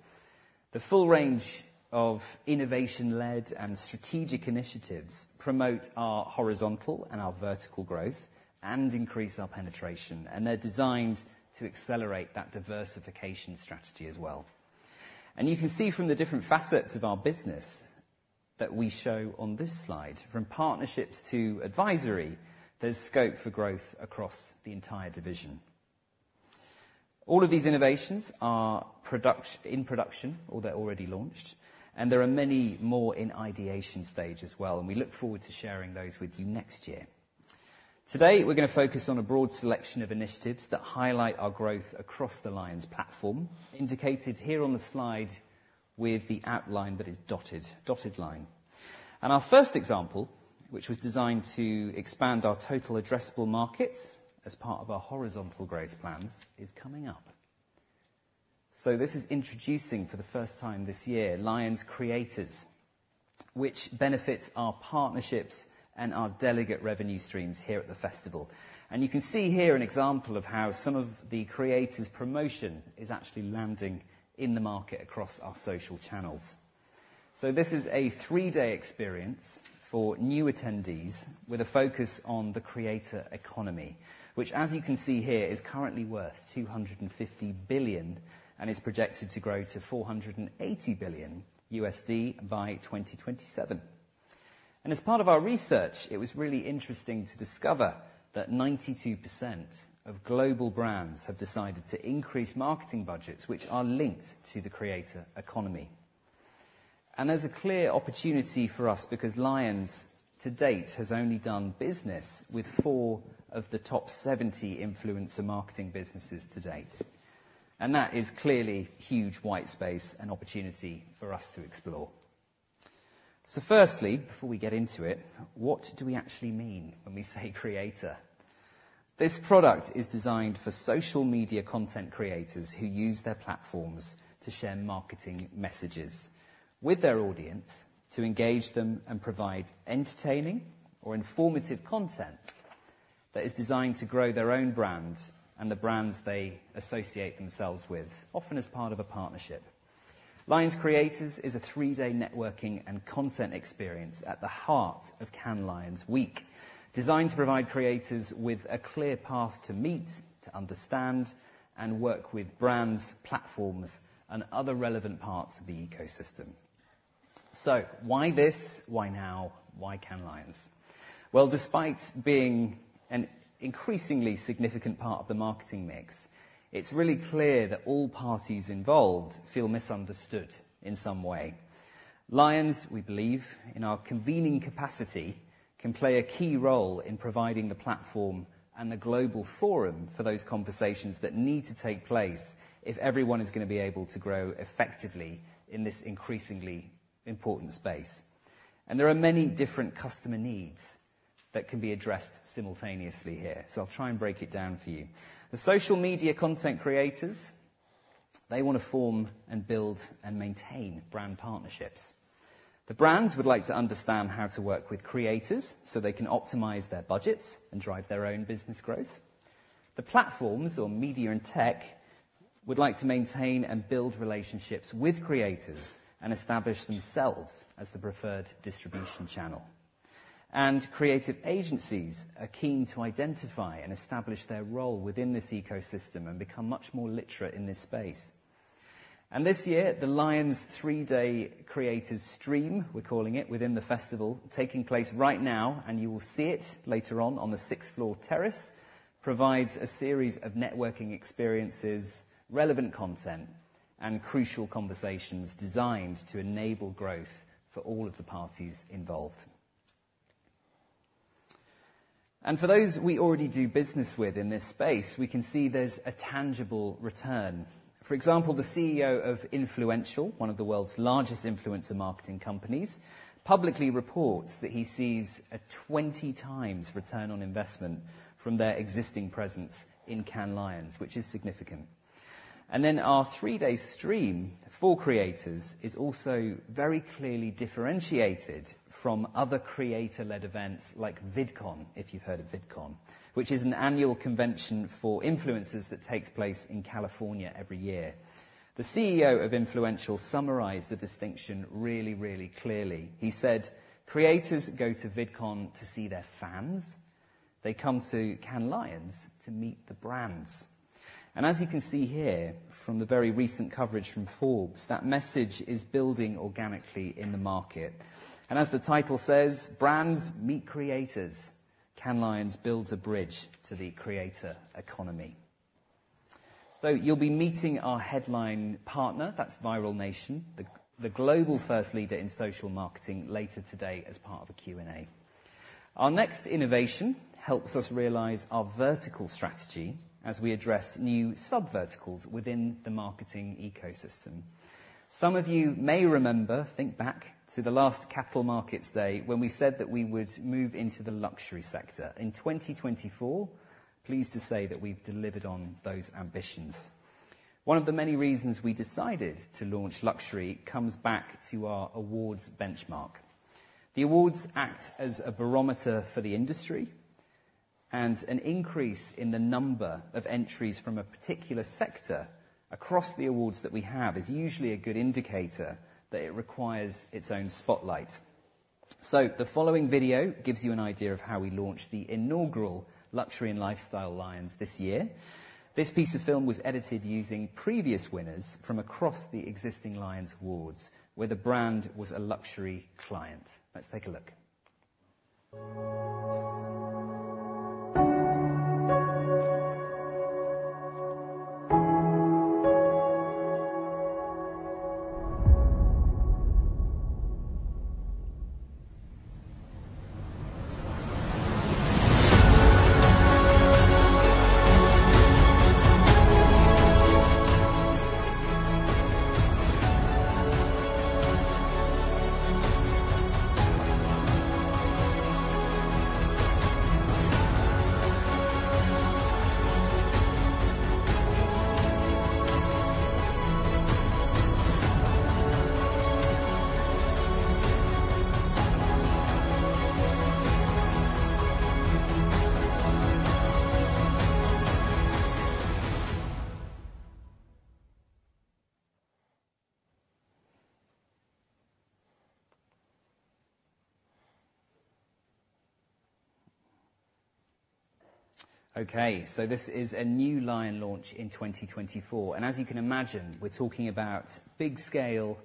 S18: The full range of innovation-led and strategic initiatives promote our horizontal and our vertical growth and increase our penetration, and they're designed to accelerate that diversification strategy as well. You can see from the different facets of our business that we show on this slide, from partnerships to advisory, there's scope for growth across the entire division. All of these innovations are in production or they're already launched, and there are many more in ideation stage as well, and we look forward to sharing those with you next year. Today, we're gonna focus on a broad selection of initiatives that highlight our growth across the Lions platform, indicated here on the slide with the outline that is dotted, dotted line. Our first example, which was designed to expand our total addressable market as part of our horizontal growth plans, is coming up. This is introducing for the first time this year, Lions Creators, which benefits our partnerships and our delegate revenue streams here at the festival. You can see here an example of how some of the creators' promotion is actually landing in the market across our social channels. This is a three-day experience for new attendees with a focus on the creator economy, which, as you can see here, is currently worth $250 billion and is projected to grow to $480 billion by 2027. As part of our research, it was really interesting to discover that 92% of global brands have decided to increase marketing budgets, which are linked to the creator economy. There's a clear opportunity for us because Lions, to date, has only done business with 4 of the top 70 influencer marketing businesses to date, and that is clearly huge white space and opportunity for us to explore. So firstly, before we get into it, what do we actually mean when we say creator? This product is designed for social media content creators who use their platforms to share marketing messages with their audience, to engage them, and provide entertaining or informative content that is designed to grow their own brand and the brands they associate themselves with, often as part of a partnership. Lions Creators is a 3-day networking and content experience at the heart of Cannes Lions Week, designed to provide creators with a clear path to meet, to understand, and work with brands, platforms, and other relevant parts of the ecosystem. So why this? Why now? Why Cannes Lions? Well, despite being an increasingly significant part of the marketing mix, it's really clear that all parties involved feel misunderstood in some way. Lions, we believe, in our convening capacity, can play a key role in providing the platform and the global forum for those conversations that need to take place if everyone is gonna be able to grow effectively in this increasingly important space. And there are many different customer needs that can be addressed simultaneously here, so I'll try and break it down for you. The social media content creators, they wanna form and build and maintain brand partnerships. The brands would like to understand how to work with creators, so they can optimize their budgets and drive their own business growth. The platforms or media and tech would like to maintain and build relationships with creators and establish themselves as the preferred distribution channel. Creative agencies are keen to identify and establish their role within this ecosystem and become much more literate in this space. This year, the Lions three-day Creators Stream, we're calling it, within the festival, taking place right now, and you will see it later on on the sixth-floor terrace, provides a series of networking experiences, relevant content, and crucial conversations designed to enable growth for all of the parties involved. For those we already do business with in this space, we can see there's a tangible return. For example, the CEO of Influential, one of the world's largest influencer marketing companies, publicly reports that he sees a 20 times return on investment from their existing presence in Cannes Lions, which is significant. Then our three-day stream for creators is also very clearly differentiated from other creator-led events like VidCon, if you've heard of VidCon, which is an annual convention for influencers that takes place in California every year. The CEO of Influential summarized the distinction really, really clearly. He said, "Creators go to VidCon to see their fans. They come to Cannes Lions to meet the brands." And as you can see here, from the very recent coverage from Forbes, that message is building organically in the market. And as the title says, Brands Meet Creators: Cannes Lions Builds a Bridge to the Creator Economy. So you'll be meeting our headline partner, that's Viral Nation, the global first leader in social marketing, later today as part of a Q&A. Our next innovation helps us realize our vertical strategy as we address new sub verticals within the marketing ecosystem. Some of you may remember, think back to the last Capital Markets Day, when we said that we would move into the luxury sector in 2024. Pleased to say that we've delivered on those ambitions. One of the many reasons we decided to launch luxury comes back to our awards benchmark. The awards act as a barometer for the industry, and an increase in the number of entries from a particular sector across the awards that we have, is usually a good indicator that it requires its own spotlight. So the following video gives you an idea of how we launched the inaugural Luxury and Lifestyle Lions this year. This piece of film was edited using previous winners from across the existing Lions awards, where the brand was a luxury client. Let's take a look. Okay, so this is a new Lions launch in 2024, and as you can imagine, we're talking about big scale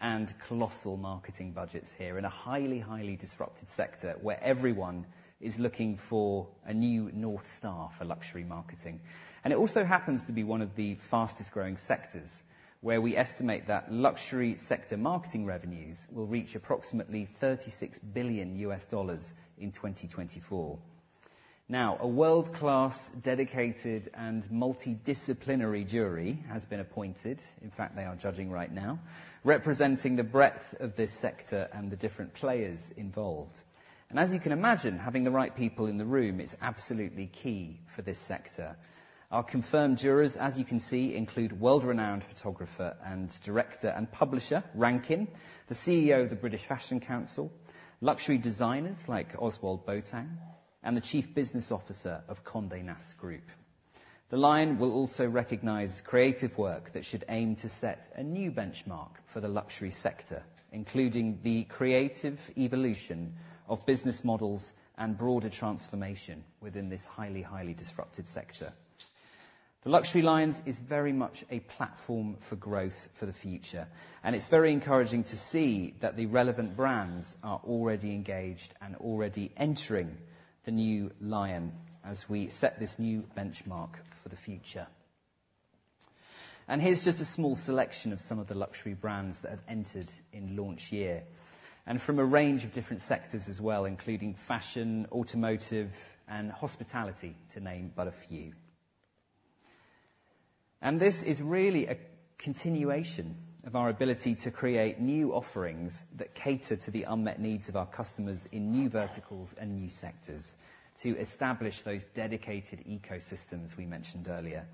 S18: and colossal marketing budgets here in a highly, highly disrupted sector, where everyone is looking for a new North Star for luxury marketing. And it also happens to be one of the fastest growing sectors, where we estimate that luxury sector marketing revenues will reach approximately $36 billion in 2024. Now, a world-class, dedicated, and multidisciplinary jury has been appointed, in fact, they are judging right now, representing the breadth of this sector and the different players involved. And as you can imagine, having the right people in the room is absolutely key for this sector. Our confirmed jurors, as you can see, include world-renowned photographer, and director, and publisher, Rankin; the CEO of the British Fashion Council; luxury designers, like Ozwald Boateng; and the Chief Business Officer of Condé Nast. The Lions will also recognize creative work that should aim to set a new benchmark for the luxury sector, including the creative evolution of business models and broader transformation within this highly, highly disrupted sector. The Luxury Lions is very much a platform for growth for the future, and it's very encouraging to see that the relevant brands are already engaged and already entering the new Lions as we set this new benchmark for the future. Here's just a small selection of some of the luxury brands that have entered in launch year, and from a range of different sectors as well, including fashion, automotive, and hospitality, to name but a few. This is really a continuation of our ability to create new offerings that cater to the unmet needs of our customers in new verticals and new sectors, to establish those dedicated ecosystems we mentioned earlier.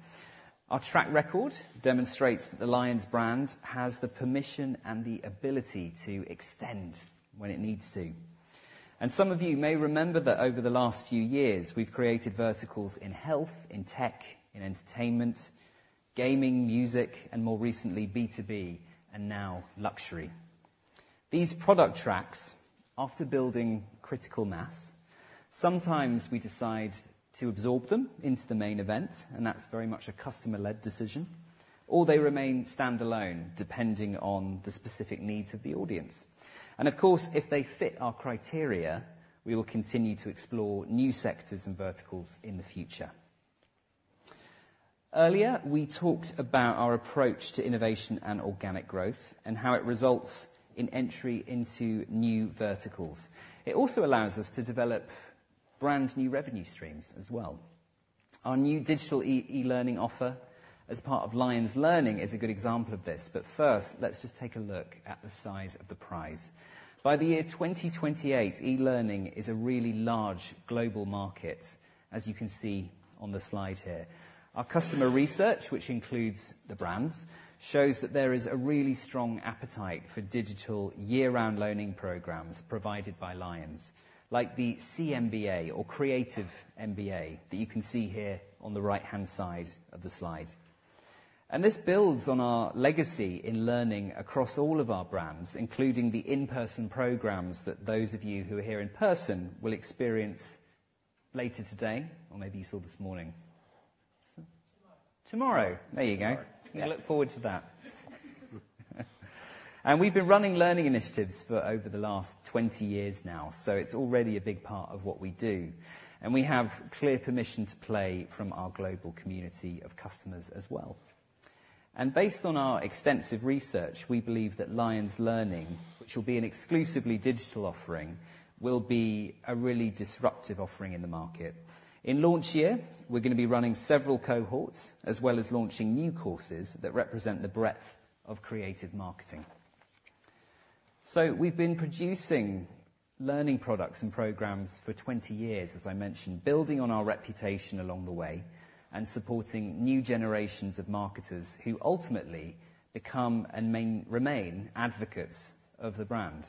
S18: Our track record demonstrates that the Lions brand has the permission and the ability to extend when it needs to. Some of you may remember that over the last few years, we've created verticals in health, in tech, in entertainment, gaming, music, and more recently, B2B, and now luxury. These product tracks, after building critical mass, sometimes we decide to absorb them into the main event, and that's very much a customer-led decision, or they remain standalone, depending on the specific needs of the audience. Of course, if they fit our criteria, we will continue to explore new sectors and verticals in the future. Earlier, we talked about our approach to innovation and organic growth, and how it results in entry into new verticals. It also allows us to develop brand-new revenue streams as well. Our new digital e-learning offer, as part of Lions Learning, is a good example of this. But first, let's just take a look at the size of the prize. By the year 2028, e-learning is a really large global market, as you can see on the slide here. Our customer research, which includes the brands, shows that there is a really strong appetite for digital year-round learning programs provided by Lions, like the cMBA or Creative MBA, that you can see here on the right-hand side of the slide. And this builds on our legacy in learning across all of our brands, including the in-person programs that those of you who are here in person will experience later today, or maybe you saw this morning. Tomorrow. Tomorrow. There you go. Sorry. You can look forward to that. And we've been running learning initiatives for over the last 20 years now, so it's already a big part of what we do, and we have clear permission to play from our global community of customers as well. And based on our extensive research, we believe that Lions Learning, which will be an exclusively digital offering, will be a really disruptive offering in the market. In launch year, we're gonna be running several cohorts, as well as launching new courses that represent the breadth of creative marketing.... So we've been producing learning products and programs for 20 years, as I mentioned, building on our reputation along the way, and supporting new generations of marketers who ultimately become and remain advocates of the brand.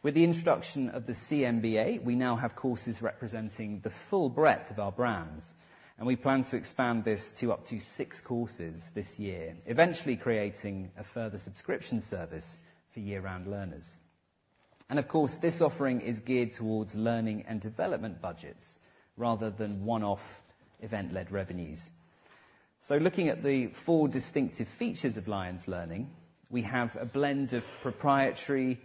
S18: With the introduction of the cMBA, we now have courses representing the full breadth of our brands, and we plan to expand this to up to 6 courses this year, eventually creating a further subscription service for year-round learners. And of course, this offering is geared towards learning and development budgets rather than one-off event-led revenues. So looking at the four distinctive features of Lions Learning, we have a blend of proprietary and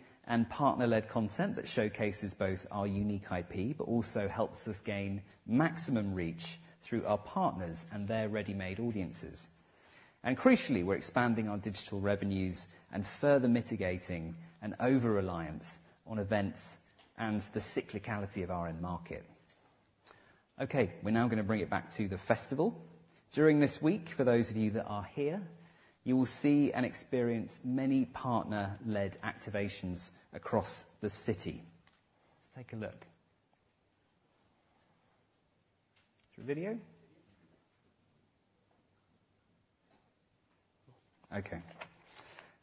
S18: partner-led content that showcases both our unique IP, but also helps us gain maximum reach through our partners and their ready-made audiences. Crucially, we're expanding our digital revenues and further mitigating an overreliance on events and the cyclicality of our end market. Okay, we're now gonna bring it back to the festival. During this week, for those of you that are here, you will see and experience many partner-led activations across the city. Let's take a look. Through video? Okay.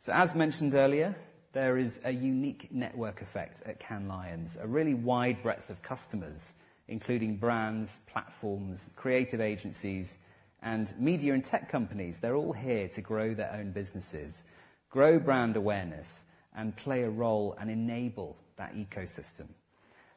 S18: So as mentioned earlier, there is a unique network effect at Cannes Lions, a really wide breadth of customers, including brands, platforms, creative agencies, and media and tech companies. They're all here to grow their own businesses, grow brand awareness, and play a role and enable that ecosystem.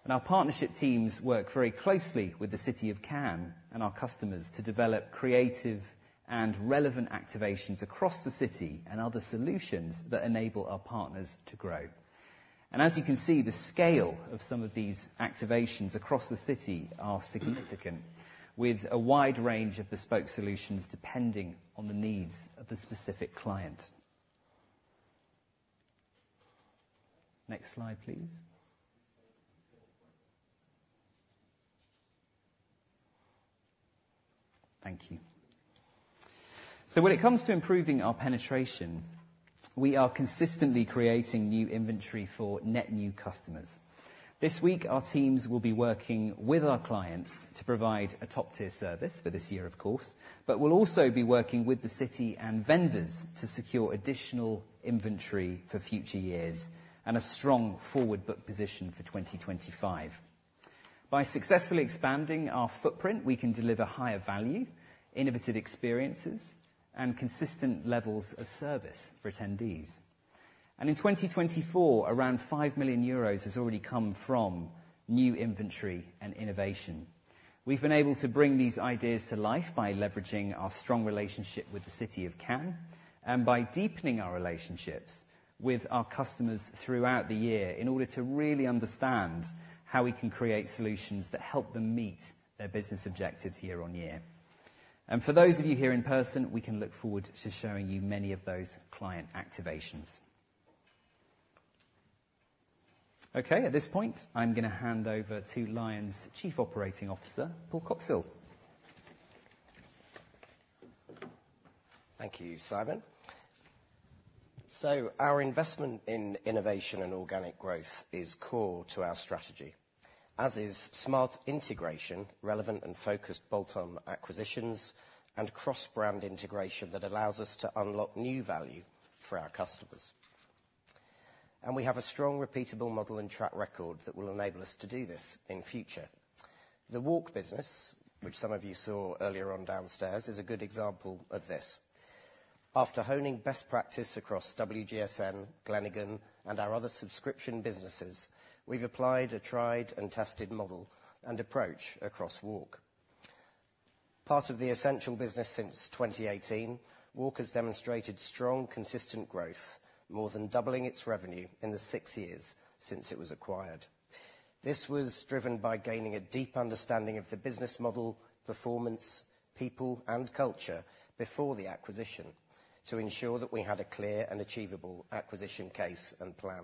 S18: And our partnership teams work very closely with the city of Cannes and our customers to develop creative and relevant activations across the city and other solutions that enable our partners to grow. As you can see, the scale of some of these activations across the city are significant, with a wide range of bespoke solutions, depending on the needs of the specific client. Next slide, please. Thank you. So when it comes to improving our penetration, we are consistently creating new inventory for net new customers. This week, our teams will be working with our clients to provide a top-tier service for this year, of course, but we'll also be working with the city and vendors to secure additional inventory for future years and a strong forward-book position for 2025. By successfully expanding our footprint, we can deliver higher value, innovative experiences, and consistent levels of service for attendees. In 2024, around 5 million euros has already come from new inventory and innovation. We've been able to bring these ideas to life by leveraging our strong relationship with the city of Cannes, and by deepening our relationships with our customers throughout the year in order to really understand how we can create solutions that help them meet their business objectives year on year. For those of you here in person, we can look forward to showing you many of those client activations. Okay, at this point, I'm gonna hand over to Lions' Chief Operating Officer, Paul Coxhill.
S19: Thank you, Simon. So our investment in innovation and organic growth is core to our strategy, as is smart integration, relevant and focused bolt-on acquisitions, and cross-brand integration that allows us to unlock new value for our customers. And we have a strong, repeatable model and track record that will enable us to do this in future. The WARC business, which some of you saw earlier on downstairs, is a good example of this. After honing best practice across WGSN, Glenigan, and our other subscription businesses, we've applied a tried and tested model and approach across WARC. Part of the Ascential business since 2018, WARC has demonstrated strong, consistent growth, more than doubling its revenue in the six years since it was acquired. This was driven by gaining a deep understanding of the business model, performance, people, and culture before the acquisition to ensure that we had a clear and achievable acquisition case and plan.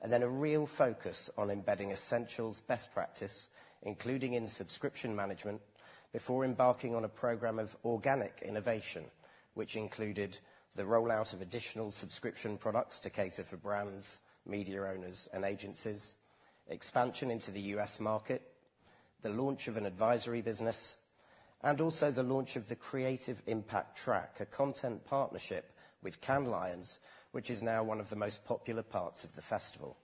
S19: And then a real focus on embedding Ascential's best practice, including in subscription management, before embarking on a program of organic innovation, which included the rollout of additional subscription products to cater for brands, media owners, and agencies, expansion into the U.S. market, the launch of an advisory business, and also the launch of the Creative Impact Track, a content partnership with Cannes Lions, which is now one of the most popular parts of the festival.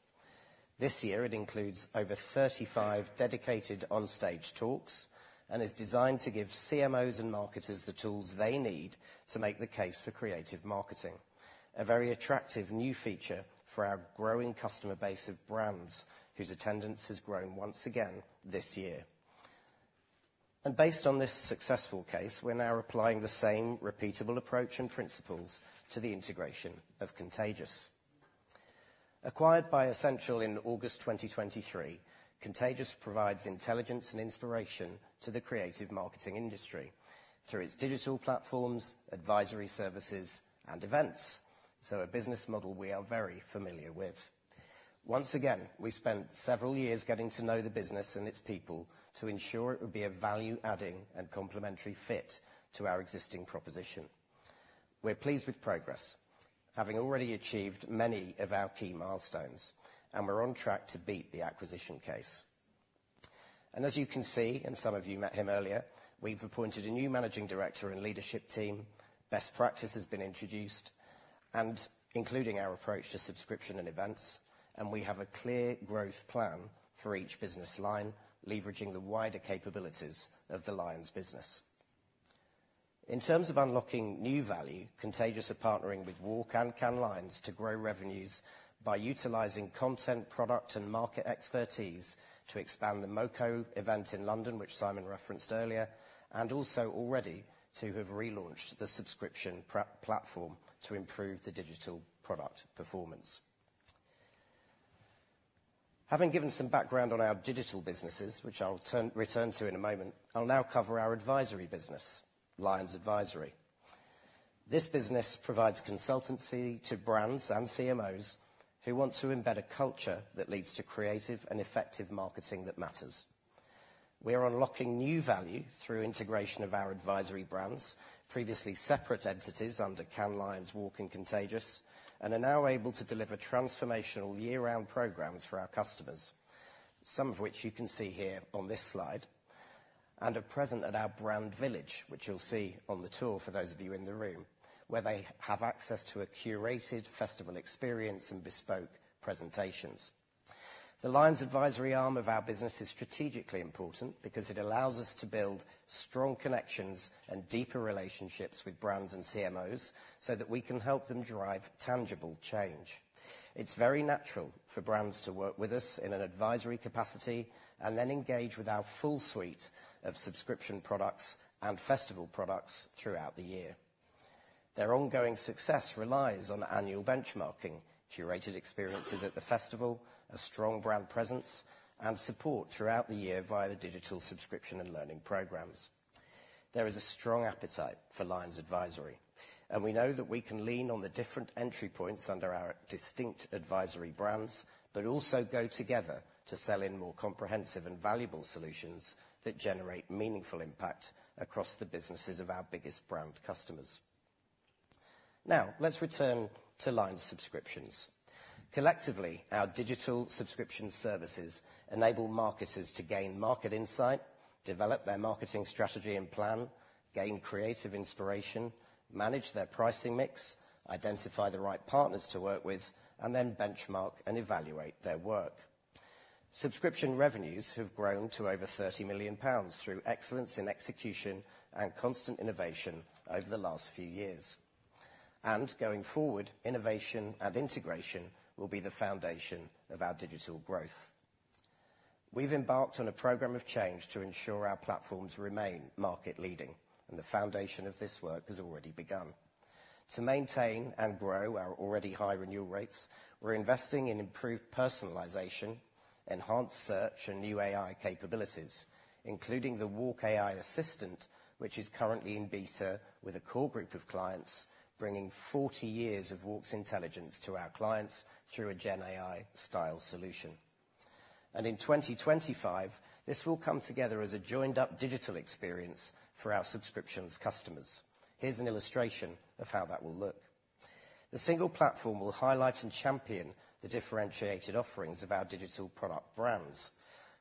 S19: This year, it includes over 35 dedicated onstage talks and is designed to give CMOs and marketers the tools they need to make the case for creative marketing, a very attractive new feature for our growing customer base of brands, whose attendance has grown once again this year. Based on this successful case, we're now applying the same repeatable approach and principles to the integration of Contagious. Acquired by Ascential in August 2023, Contagious provides intelligence and inspiration to the creative marketing industry through its digital platforms, advisory services, and events, so a business model we are very familiar with. Once again, we spent several years getting to know the business and its people to ensure it would be a value-adding and complementary fit to our existing proposition. We're pleased with progress, having already achieved many of our key milestones, and we're on track to beat the acquisition case. As you can see, and some of you met him earlier, we've appointed a new managing director and leadership team, best practice has been introduced, and including our approach to subscription and events, and we have a clear growth plan for each business line, leveraging the wider capabilities of the Lions business. In terms of unlocking new value, Contagious are partnering with WARC and Cannes Lions to grow revenues by utilizing content, product, and market expertise to expand the MoCo event in London, which Simon referenced earlier, and also already to have relaunched the subscription platform to improve the digital product performance. Having given some background on our digital businesses, which I'll return to in a moment, I'll now cover our advisory business, Lions Advisory. This business provides consultancy to brands and CMOs who want to embed a culture that leads to creative and effective marketing that matters. We are unlocking new value through integration of our advisory brands, previously separate entities under Cannes Lions, WARC, and Contagious, and are now able to deliver transformational year-round programs for our customers, some of which you can see here on this slide, and are present at our brand village, which you'll see on the tour for those of you in the room, where they have access to a curated festival experience and bespoke presentations. The Lions Advisory arm of our business is strategically important because it allows us to build strong connections and deeper relationships with brands and CMOs so that we can help them drive tangible change. It's very natural for brands to work with us in an advisory capacity and then engage with our full suite of subscription products and festival products throughout the year. Their ongoing success relies on annual benchmarking, curated experiences at the festival, a strong brand presence, and support throughout the year via the digital subscription and learning programs. There is a strong appetite for Lions Advisory, and we know that we can lean on the different entry points under our distinct advisory brands, but also go together to sell in more comprehensive and valuable solutions that generate meaningful impact across the businesses of our biggest brand customers. Now, let's return to Lions Subscriptions. Collectively, our digital subscription services enable marketers to gain market insight, develop their marketing strategy and plan, gain creative inspiration, manage their pricing mix, identify the right partners to work with, and then benchmark and evaluate their work. Subscription revenues have grown to over 30 million pounds through excellence in execution and constant innovation over the last few years. Going forward, innovation and integration will be the foundation of our digital growth. We've embarked on a program of change to ensure our platforms remain market leading, and the foundation of this work has already begun. To maintain and grow our already high renewal rates, we're investing in improved personalization, enhanced search, and new AI capabilities, including the WARC AI Assistant, which is currently in beta with a core group of clients, bringing 40 years of WARC's intelligence to our clients through a Gen AI-style solution. In 2025, this will come together as a joined-up digital experience for our subscriptions customers. Here's an illustration of how that will look. The single platform will highlight and champion the differentiated offerings of our digital product brands,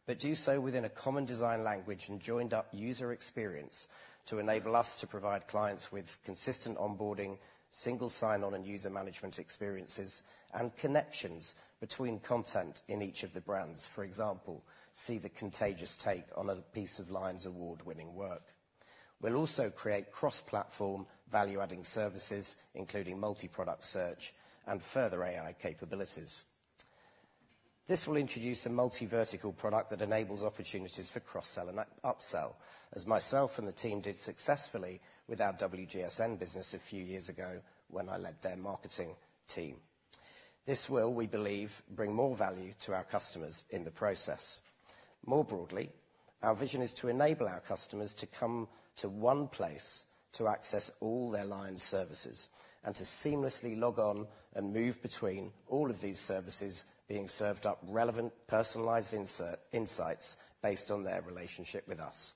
S19: but do so within a common design language and joined up user experience to enable us to provide clients with consistent onboarding, single sign-on and user management experiences, and connections between content in each of the brands. For example, see the Contagious take on a piece of Lions award-winning work. We'll also create cross-platform, value-adding services, including multi-product search and further AI capabilities. This will introduce a multivertical product that enables opportunities for cross-sell and upsell, as myself and the team did successfully with our WGSN business a few years ago when I led their marketing team. This will, we believe, bring more value to our customers in the process. More broadly, our vision is to enable our customers to come to one place to access all their Lions services and to seamlessly log on and move between all of these services being served up relevant, personalized insights based on their relationship with us.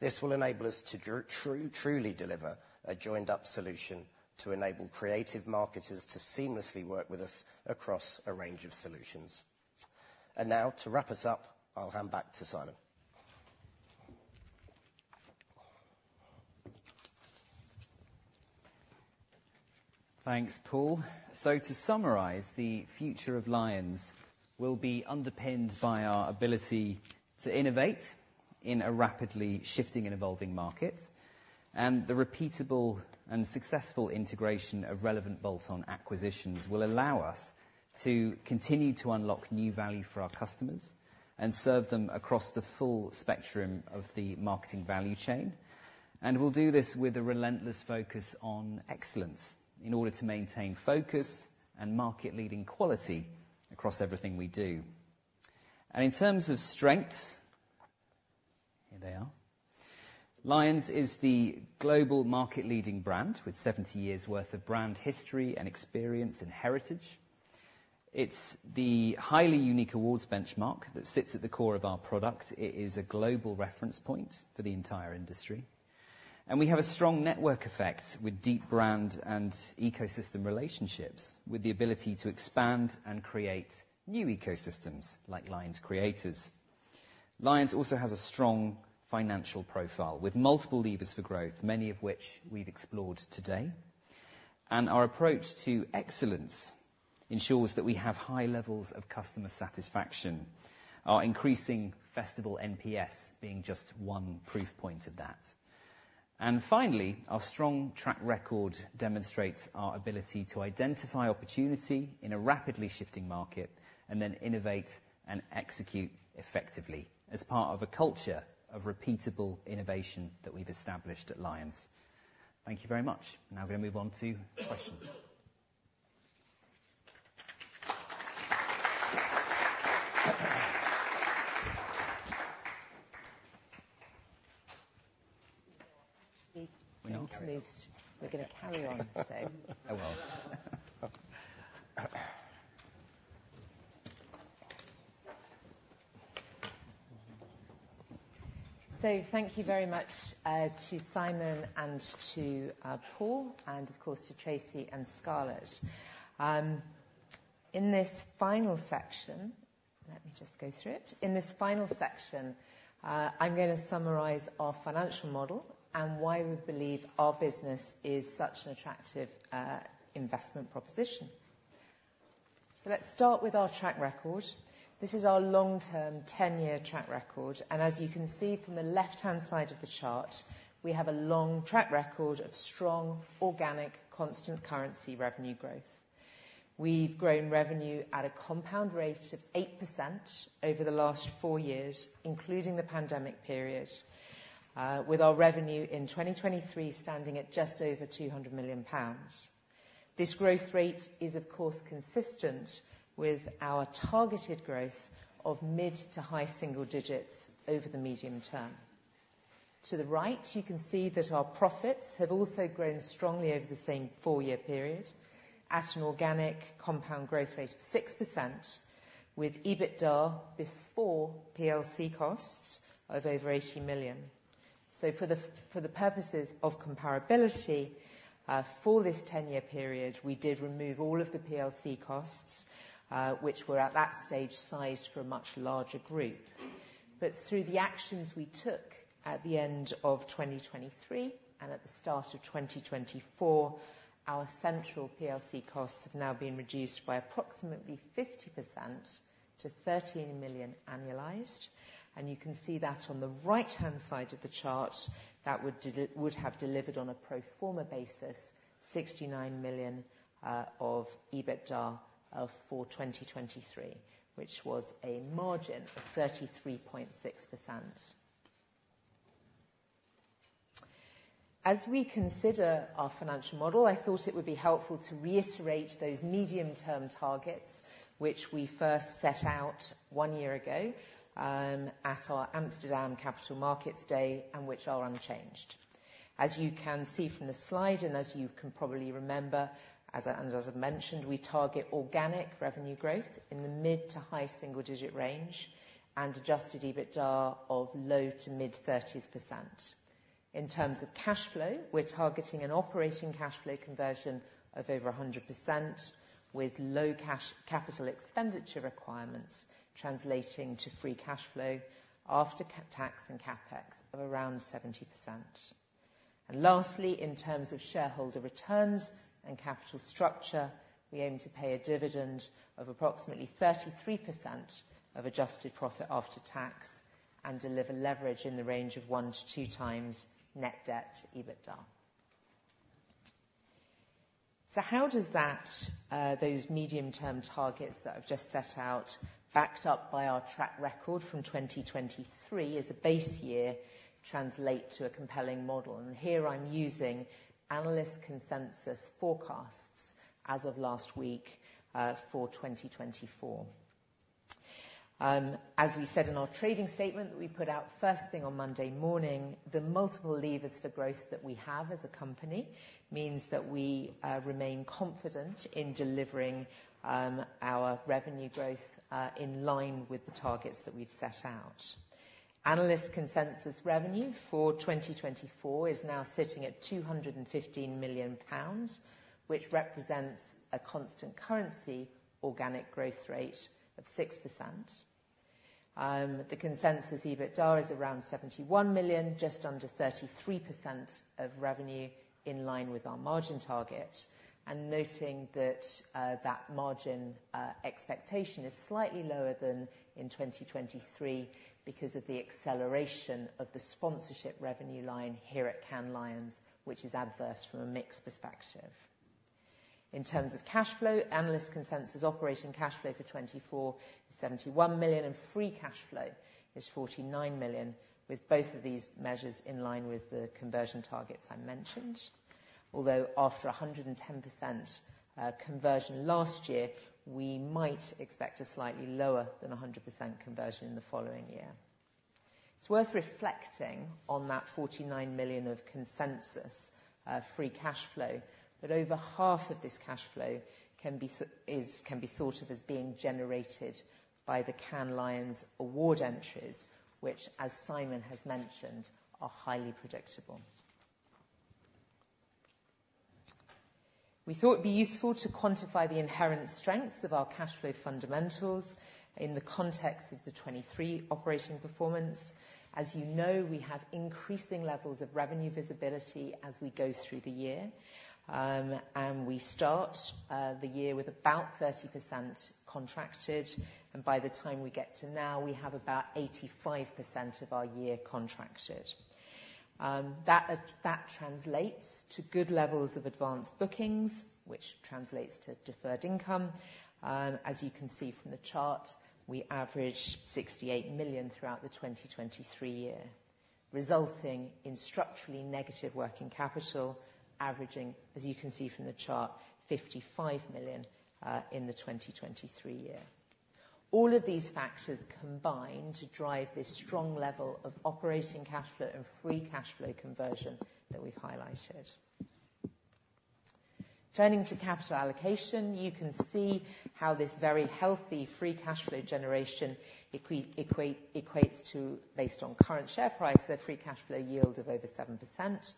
S19: This will enable us to truly deliver a joined-up solution to enable creative marketers to seamlessly work with us across a range of solutions. And now, to wrap us up, I'll hand back to Simon.
S18: Thanks, Paul. To summarize, the future of Lions will be underpinned by our ability to innovate in a rapidly shifting and evolving market. The repeatable and successful integration of relevant bolt-on acquisitions will allow us to continue to unlock new value for our customers and serve them across the full spectrum of the marketing value chain. We'll do this with a relentless focus on excellence in order to maintain focus and market-leading quality across everything we do. In terms of strengths. Here they are. Lions is the global market-leading brand, with 70 years' worth of brand history and experience and heritage. It's the highly unique awards benchmark that sits at the core of our product. It is a global reference point for the entire industry, and we have a strong network effect with deep brand and ecosystem relationships, with the ability to expand and create new ecosystems like Lions Creators. Lions also has a strong financial profile with multiple levers for growth, many of which we've explored today. Our approach to excellence ensures that we have high levels of customer satisfaction, our increasing festival NPS being just one proof point of that. Finally, our strong track record demonstrates our ability to identify opportunity in a rapidly shifting market, and then innovate and execute effectively as part of a culture of repeatable innovation that we've established at Lions. Thank you very much. Now we're going to move on to questions.
S1: We need to move.
S18: We need to carry on.
S1: We're gonna carry on, so.
S18: Oh, well.
S1: So thank you very much to Simon and to Paul, and of course, to Tracy and Scarlett. In this final section... Let me just go through it. In this final section, I'm gonna summarize our financial model and why we believe our business is such an attractive investment proposition. So let's start with our track record. This is our long-term, 10-year track record, and as you can see from the left-hand side of the chart, we have a long track record of strong organic, constant currency revenue growth. We've grown revenue at a compound rate of 8% over the last four years, including the pandemic period, with our revenue in 2023 standing at just over 200 million pounds. This growth rate is, of course, consistent with our targeted growth of mid to high single digits over the medium term. To the right, you can see that our profits have also grown strongly over the same four-year period at an organic compound growth rate of 6%, with EBITDA before PLC costs of over 80 million. For the purposes of comparability, for this ten-year period, we did remove all of the PLC costs, which were, at that stage, sized for a much larger group. But through the actions we took at the end of 2023 and at the start of 2024, our central PLC costs have now been reduced by approximately 50% to 13 million annualized. You can see that on the right-hand side of the chart, that would have delivered, on a pro forma basis, 69 million of EBITDA for 2023, which was a margin of 33.6%. As we consider our financial model, I thought it would be helpful to reiterate those medium-term targets, which we first set out one year ago at our Amsterdam Capital Markets Day, and which are unchanged. As you can see from the slide, and as you can probably remember, as, and as I've mentioned, we target organic revenue growth in the mid- to high-single-digit range and adjusted EBITDA of low- to mid-30s%. In terms of cash flow, we're targeting an operating cash flow conversion of over 100%, with low cash capital expenditure requirements, translating to free cash flow after cash tax and CapEx of around 70%. And lastly, in terms of shareholder returns and capital structure, we aim to pay a dividend of approximately 33% of adjusted profit after tax and deliver leverage in the range of 1-2 times net debt to EBITDA. So how does that, those medium-term targets that I've just set out, backed up by our track record from 2023 as a base year, translate to a compelling model? And here I'm using analyst consensus forecasts as of last week, for 2024. As we said in our trading statement, that we put out first thing on Monday morning, the multiple levers for growth that we have as a company means that we remain confident in delivering our revenue growth in line with the targets that we've set out. Analyst consensus revenue for 2024 is now sitting at 215 million pounds, which represents a constant currency organic growth rate of 6%. The consensus EBITDA is around 71 million, just under 33% of revenue in line with our margin target, and noting that that margin expectation is slightly lower than in 2023 because of the acceleration of the sponsorship revenue line here at Cannes Lions, which is adverse from a mix perspective. In terms of cash flow, analyst consensus operating cash flow for 2024 is 71 million, and free cash flow is 49 million, with both of these measures in line with the conversion targets I mentioned.... although after 110%, conversion last year, we might expect a slightly lower than 100% conversion in the following year. It's worth reflecting on that 49 million of consensus free cash flow, that over half of this cash flow can be thought of as being generated by the Cannes Lions award entries, which, as Simon has mentioned, are highly predictable. We thought it'd be useful to quantify the inherent strengths of our cash flow fundamentals in the context of the 2023 operating performance. As you know, we have increasing levels of revenue visibility as we go through the year. And we start the year with about 30% contracted, and by the time we get to now, we have about 85% of our year contracted. That translates to good levels of advanced bookings, which translates to deferred income. As you can see from the chart, we average 68 million throughout the 2023 year, resulting in structurally negative working capital, averaging, as you can see from the chart, 55 million in the 2023 year. All of these factors combine to drive this strong level of operating cash flow and free cash flow conversion that we've highlighted. Turning to capital allocation, you can see how this very healthy free cashflow generation equates to, based on current share price, a free cash flow yield of over 7%,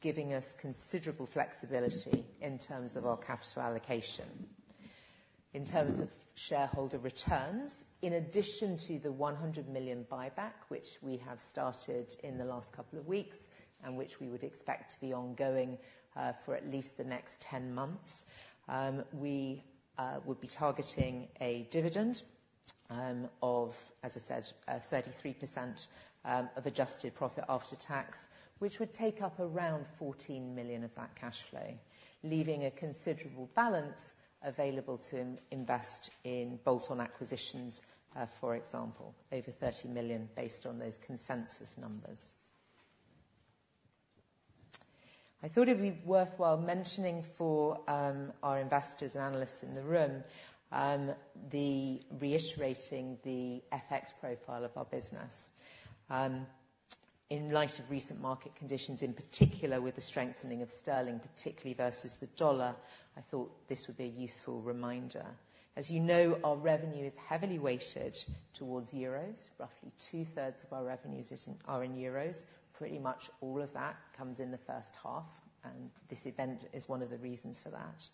S1: giving us considerable flexibility in terms of our capital allocation. In terms of shareholder returns, in addition to the 100 million buyback, which we have started in the last couple of weeks, and which we would expect to be ongoing for at least the next 10 months, we would be targeting a dividend of, as I said, 33% of adjusted profit after tax, which would take up around 14 million of that cash flow, leaving a considerable balance available to reinvest in bolt-on acquisitions, for example, over 30 million, based on those consensus numbers. I thought it'd be worthwhile mentioning for our investors and analysts in the room, reiterating the FX profile of our business. In light of recent market conditions, in particular with the strengthening of sterling, particularly versus the dollar, I thought this would be a useful reminder. As you know, our revenue is heavily weighted towards euros. Roughly two-thirds of our revenues is in, are in euros. Pretty much all of that comes in the first half, and this event is one of the reasons for that.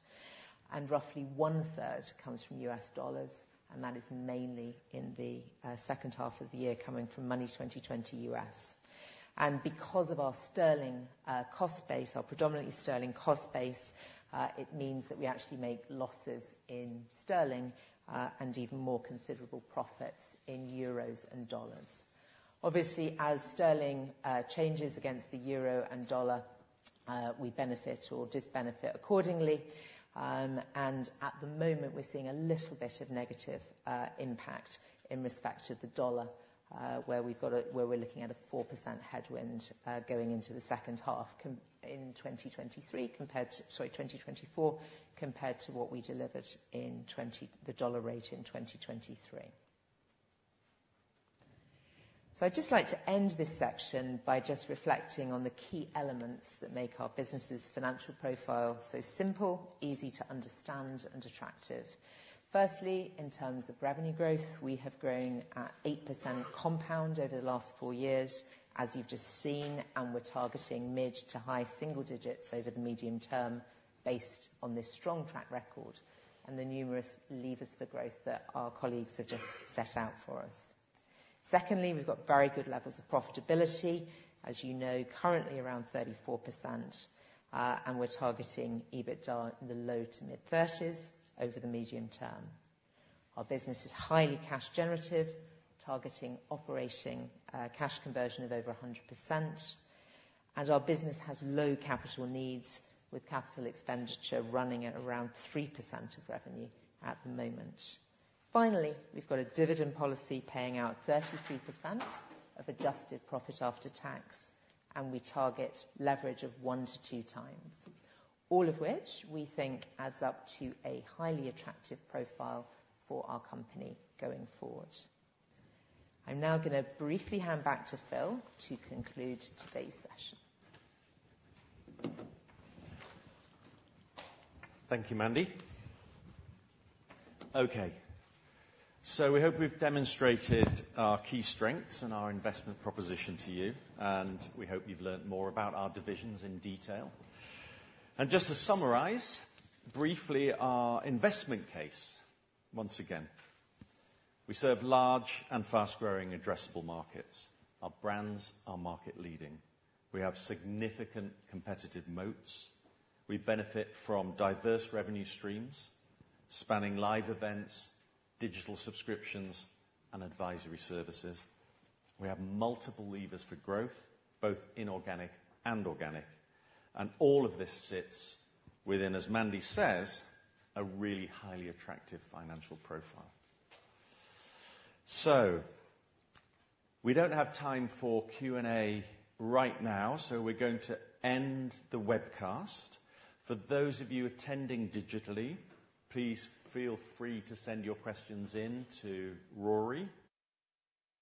S1: Roughly one-third comes from U.S. dollars, and that is mainly in the second half of the year, coming from Money20/20 U.S.. Because of our sterling cost base, our predominantly sterling cost base, it means that we actually make losses in sterling, and even more considerable profits in euros and dollars. Obviously, as sterling changes against the euro and dollar, we benefit or disbenefit accordingly. And at the moment, we're seeing a little bit of negative impact in respect to the U.S. dollar, where we're looking at a 4% headwind going into the second half in 2023, compared to, sorry, 2024, compared to what we delivered in 2023, the U.S. dollar rate in 2023. So I'd just like to end this section by just reflecting on the key elements that make our business's financial profile so simple, easy to understand, and attractive. Firstly, in terms of revenue growth, we have grown at 8% compound over the last four years, as you've just seen, and we're targeting mid to high single digits over the medium term based on this strong track record and the numerous levers for growth that our colleagues have just set out for us. Secondly, we've got very good levels of profitability. As you know, currently around 34%, and we're targeting EBITDA in the low-to-mid 30s over the medium term. Our business is highly cash generative, targeting operating cash conversion of over 100%, and our business has low capital needs, with capital expenditure running at around 3% of revenue at the moment. Finally, we've got a dividend policy paying out 33% of adjusted profit after tax, and we target leverage of 1x-2x. All of which we think adds up to a highly attractive profile for our company going forward. I'm now gonna briefly hand back to Phil to conclude today's session.
S2: Thank you, Mandy. Okay. So we hope we've demonstrated our key strengths and our investment proposition to you, and we hope you've learned more about our divisions in detail. Just to summarize, briefly, our investment case, once again. We serve large and fast-growing addressable markets. Our brands are market leading. We have significant competitive moats. We benefit from diverse revenue streams, spanning live events, digital subscriptions, and advisory services. We have multiple levers for growth, both inorganic and organic, and all of this sits within, as Mandy says, a really highly attractive financial profile. So we don't have time for Q&A right now, so we're going to end the webcast. For those of you attending digitally, please feel free to send your questions in to Rory.